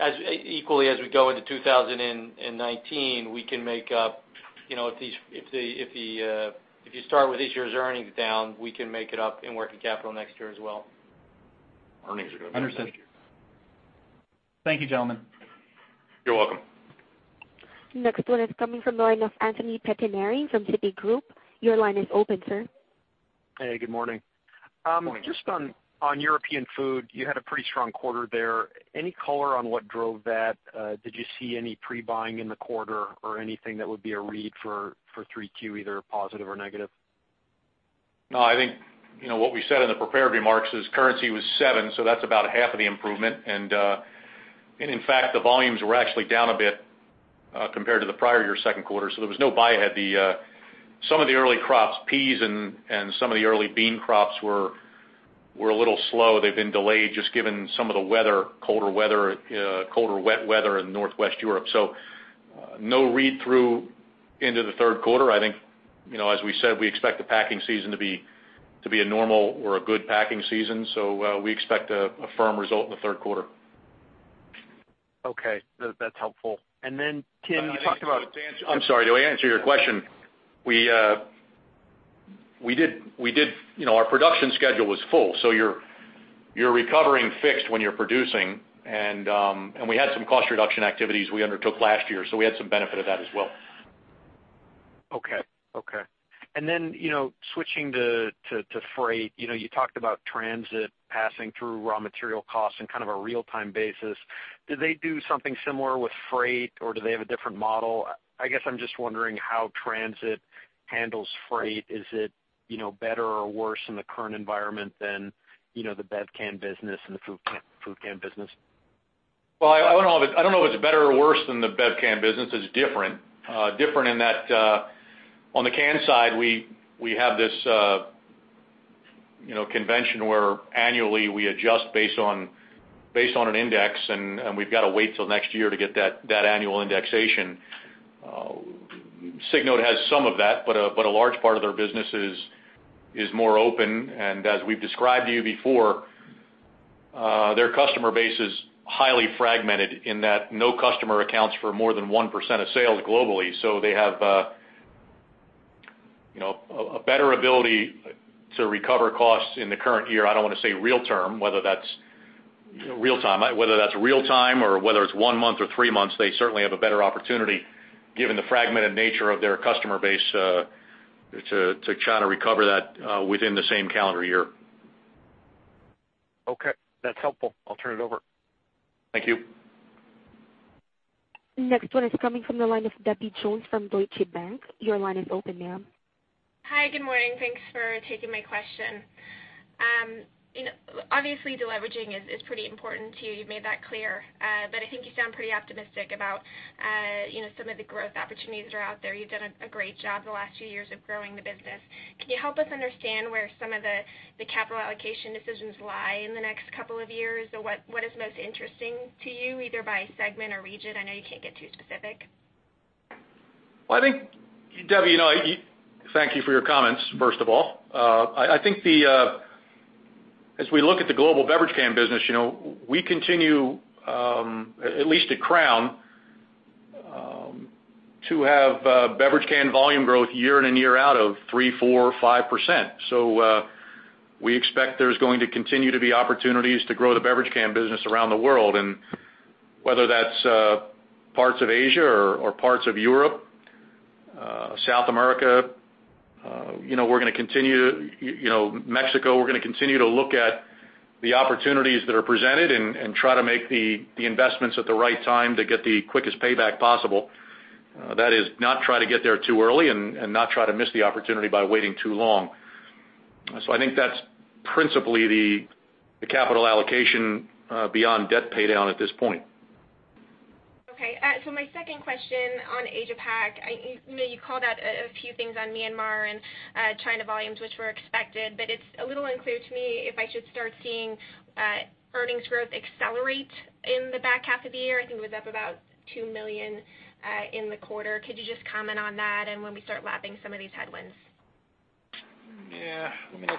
Speaker 2: as equally as we go into 2019, we can make up, if you start with this year's earnings down, we can make it up in working capital next year as well.
Speaker 3: Earnings are going to be down next year.
Speaker 11: Understood. Thank you, gentlemen.
Speaker 3: You're welcome.
Speaker 1: Next one is coming from the line of Anthony Pettinari from Citigroup. Your line is open, sir.
Speaker 12: Hey, good morning.
Speaker 3: Morning.
Speaker 12: Just on European Food, you had a pretty strong quarter there. Any color on what drove that? Did you see any pre-buying in the quarter or anything that would be a read for 3Q, either positive or negative?
Speaker 3: I think what we said in the prepared remarks is currency was $7, so that's about half of the improvement. In fact, the volumes were actually down a bit compared to the prior year second quarter, so there was no buy-ahead. Some of the early crops, peas and some of the early bean crops were a little slow. They've been delayed just given some of the weather, colder wet weather in Northwest Europe. No read-through into the third quarter. I think, as we said, we expect the packing season to be a normal or a good packing season. We expect a firm result in the third quarter.
Speaker 12: Okay. That's helpful. Tim, you talked about-
Speaker 3: I'm sorry. To answer your question, our production schedule was full, so you're recovering fixed when you're producing, and we had some cost reduction activities we undertook last year, so we had some benefit of that as well.
Speaker 12: Okay. Switching to freight, you talked about Transit Packaging passing through raw material costs in kind of a real-time basis. Do they do something similar with freight, or do they have a different model? I guess I'm just wondering how Transit Packaging handles freight. Is it better or worse in the current environment than the bev can business and the food can business?
Speaker 3: Well, I don't know if it's better or worse than the bev can business. It's different. Different in that, on the can side, we have this convention where annually we adjust based on an index, and we've got to wait till next year to get that annual indexation. Signode has some of that, but a large part of their business is more open. As we've described to you before, their customer base is highly fragmented in that no customer accounts for more than 1% of sales globally. They have a better ability to recover costs in the current year. I don't want to say real time, whether that's real time or whether it's one month or three months, they certainly have a better opportunity given the fragmented nature of their customer base to try to recover that within the same calendar year.
Speaker 12: Okay. That's helpful. I'll turn it over.
Speaker 3: Thank you.
Speaker 1: Next one is coming from the line of Debbie Jones from Deutsche Bank. Your line is open, ma'am.
Speaker 13: Hi. Good morning. Thanks for taking my question. Obviously, deleveraging is pretty important to you. You've made that clear. I think you sound pretty optimistic about some of the growth opportunities that are out there. You've done a great job the last few years of growing the business. Can you help us understand where some of the capital allocation decisions lie in the next couple of years? What is most interesting to you, either by segment or region? I know you can't get too specific.
Speaker 3: Well, Debbie, thank you for your comments, first of all. I think as we look at the global beverage can business, we continue, at least at Crown, to have beverage can volume growth year in and year out of 3%, 4%, 5%. We expect there's going to continue to be opportunities to grow the beverage can business around the world, and whether that's parts of Asia or parts of Europe, South America, Mexico, we're going to continue to look at the opportunities that are presented and try to make the investments at the right time to get the quickest payback possible. That is, not try to get there too early and not try to miss the opportunity by waiting too long. I think that's principally the capital allocation beyond debt paydown at this point.
Speaker 13: Okay. My second question on Asia Pac, you called out a few things on Myanmar and China volumes, which were expected, but it's a little unclear to me if I should start seeing earnings growth accelerate in the back half of the year. I think it was up about $2 million in the quarter. Could you just comment on that and when we start lapping some of these headwinds?
Speaker 3: I'm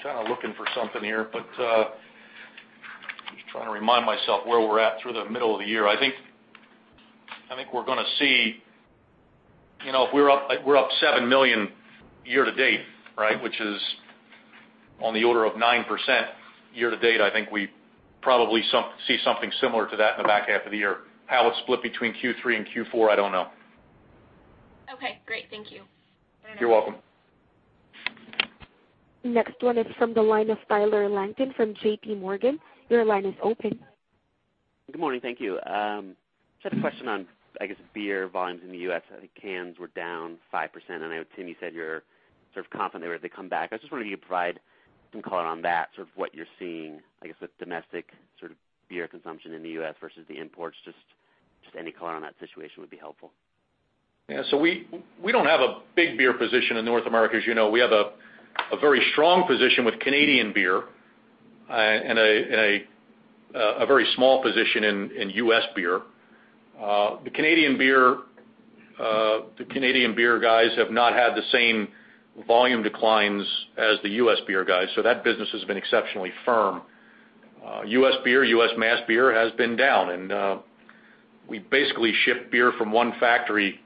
Speaker 3: kind of looking for something here, just trying to remind myself where we're at through the middle of the year. I think we're up $7 million year-to-date, which is on the order of 9% year-to-date. I think we probably see something similar to that in the back half of the year. How it's split between Q3 and Q4, I don't know.
Speaker 13: Great. Thank you.
Speaker 3: You're welcome.
Speaker 1: Next one is from the line of Tyler Langton from J.P. Morgan. Your line is open.
Speaker 14: Good morning. Thank you. Just had a question on, I guess, beer volumes in the U.S. I think cans were down 5%, and I would assume you said you're sort of confident they were to come back. I just wondered if you could provide some color on that, sort of what you're seeing, I guess, with domestic beer consumption in the U.S. versus the imports. Just any color on that situation would be helpful.
Speaker 3: Yeah. We don't have a big beer position in North America. As you know, we have a very strong position with Canadian beer and a very small position in U.S. beer. The Canadian beer guys have not had the same volume declines as the U.S. beer guys, that business has been exceptionally firm. U.S. beer, U.S. mass beer, has been down, we basically ship beer from one factory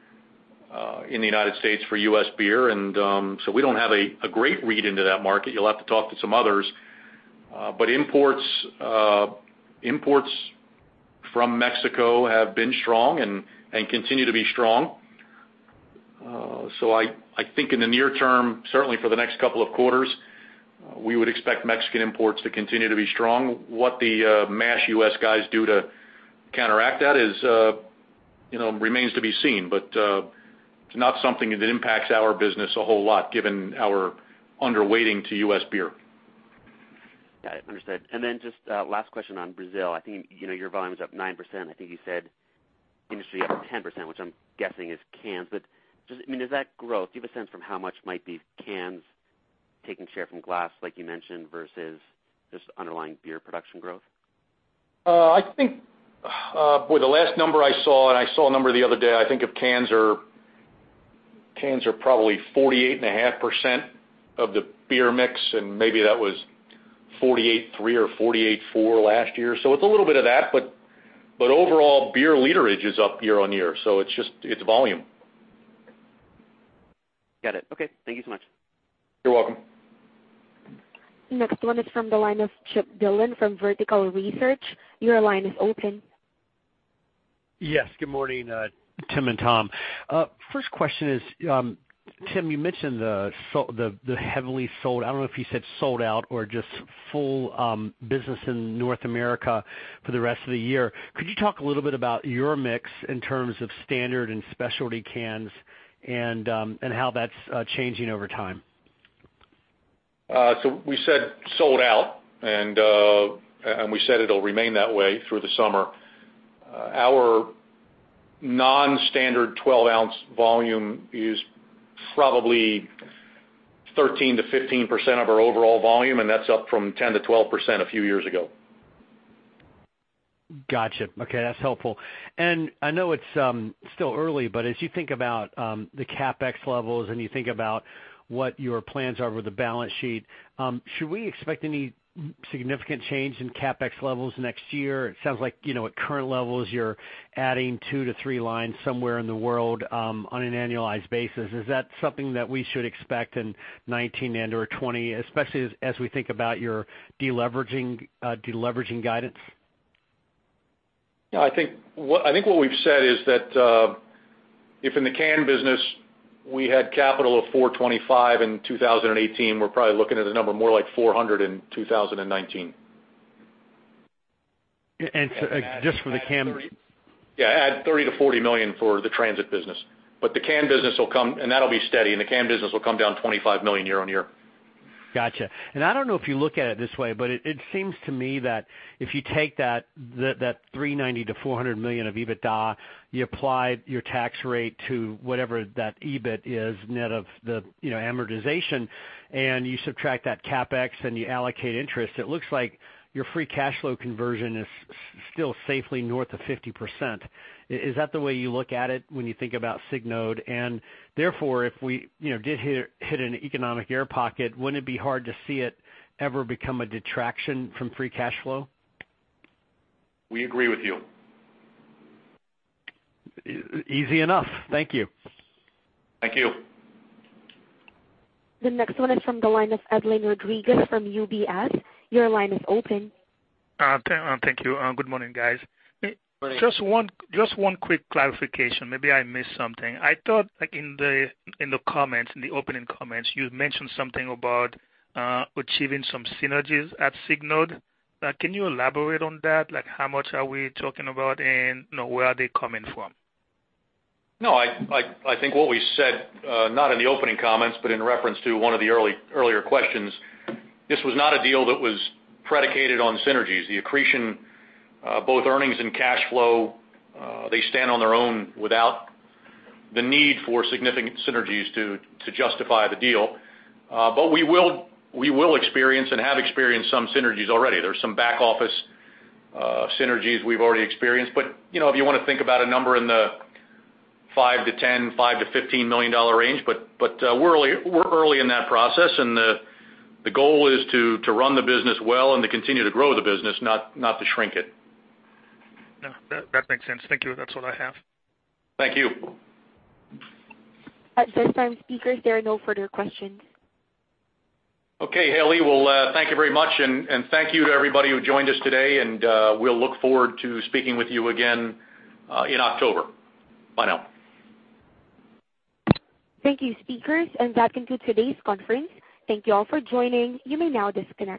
Speaker 3: in the United States for U.S. beer, we don't have a great read into that market. You'll have to talk to some others. Imports from Mexico have been strong and continue to be strong. I think in the near term, certainly for the next couple of quarters, we would expect Mexican imports to continue to be strong. What the mass U.S. guys do to counteract that remains to be seen. It's not something that impacts our business a whole lot given our underweighting to U.S. beer.
Speaker 14: Got it. Understood. Just last question on Brazil. I think your volume's up 9%. I think you said industry up 10%, which I'm guessing is cans. Does that growth, do you have a sense from how much might be cans taking share from glass, like you mentioned, versus just underlying beer production growth?
Speaker 3: I think, boy, the last number I saw. I saw a number the other day, I think cans are probably 48.5% of the beer mix. Maybe that was 48.3 or 48.4 last year. It's a little bit of that, but overall beer literage is up year-over-year. It's volume.
Speaker 14: Got it. Okay. Thank you so much.
Speaker 3: You're welcome.
Speaker 1: Next one is from the line of Chip Dillon from Vertical Research. Your line is open.
Speaker 15: Yes, good morning, Tim and Tom. First question is, Tim, you mentioned the heavily sold, I don't know if you said sold out or just full business in North America for the rest of the year. Could you talk a little bit about your mix in terms of standard and specialty cans and how that's changing over time?
Speaker 3: We said sold out, and we said it'll remain that way through the summer. Our non-standard 12-ounce volume is probably 13%-15% of our overall volume, and that's up from 10%-12% a few years ago.
Speaker 15: Got you. Okay, that's helpful. I know it's still early, but as you think about the CapEx levels and you think about what your plans are with the balance sheet, should we expect any significant change in CapEx levels next year? It sounds like at current levels, you're adding two to three lines somewhere in the world on an annualized basis. Is that something that we should expect in 2019 and/or 2020, especially as we think about your de-leveraging guidance?
Speaker 3: Yeah, I think what we've said is that if in the can business we had capital of $425 in 2018, we're probably looking at a number more like $400 in 2019.
Speaker 15: Just for the CAN-
Speaker 3: Yeah, add $30 million-$40 million for the Transit Packaging business. That'll be steady, and the CAN business will come down $25 million year-on-year.
Speaker 15: Got you. I don't know if you look at it this way, but it seems to me that if you take that $390 million-$400 million of EBITDA, you apply your tax rate to whatever that EBIT is net of the amortization, you subtract that CapEx and you allocate interest, it looks like your free cash flow conversion is still safely north of 50%. Is that the way you look at it when you think about Signode? Therefore, if we did hit an economic air pocket, wouldn't it be hard to see it ever become a detraction from free cash flow?
Speaker 3: We agree with you.
Speaker 15: Easy enough. Thank you.
Speaker 3: Thank you.
Speaker 1: The next one is from the line of Edlain Rodriguez from UBS. Your line is open.
Speaker 16: Thank you. Good morning, guys.
Speaker 3: Morning.
Speaker 16: Just one quick clarification. Maybe I missed something. I thought in the opening comments, you mentioned something about achieving some synergies at Signode. Can you elaborate on that? How much are we talking about, and where are they coming from?
Speaker 3: I think what we said, not in the opening comments, but in reference to one of the earlier questions, this was not a deal that was predicated on synergies. The accretion, both earnings and cash flow, they stand on their own without the need for significant synergies to justify the deal. We will experience and have experienced some synergies already. There is some back office synergies we have already experienced. If you want to think about a number in the 5-10, $5 million-$15 million range, we are early in that process and the goal is to run the business well and to continue to grow the business, not to shrink it.
Speaker 16: That makes sense. Thank you. That is what I have.
Speaker 3: Thank you.
Speaker 1: At this time, speakers, there are no further questions.
Speaker 3: Okay, Hailey. Well, thank you very much, and thank you to everybody who joined us today, and we'll look forward to speaking with you again in October. Bye now.
Speaker 1: Thank you, speakers, and that concludes today's conference. Thank you all for joining. You may now disconnect.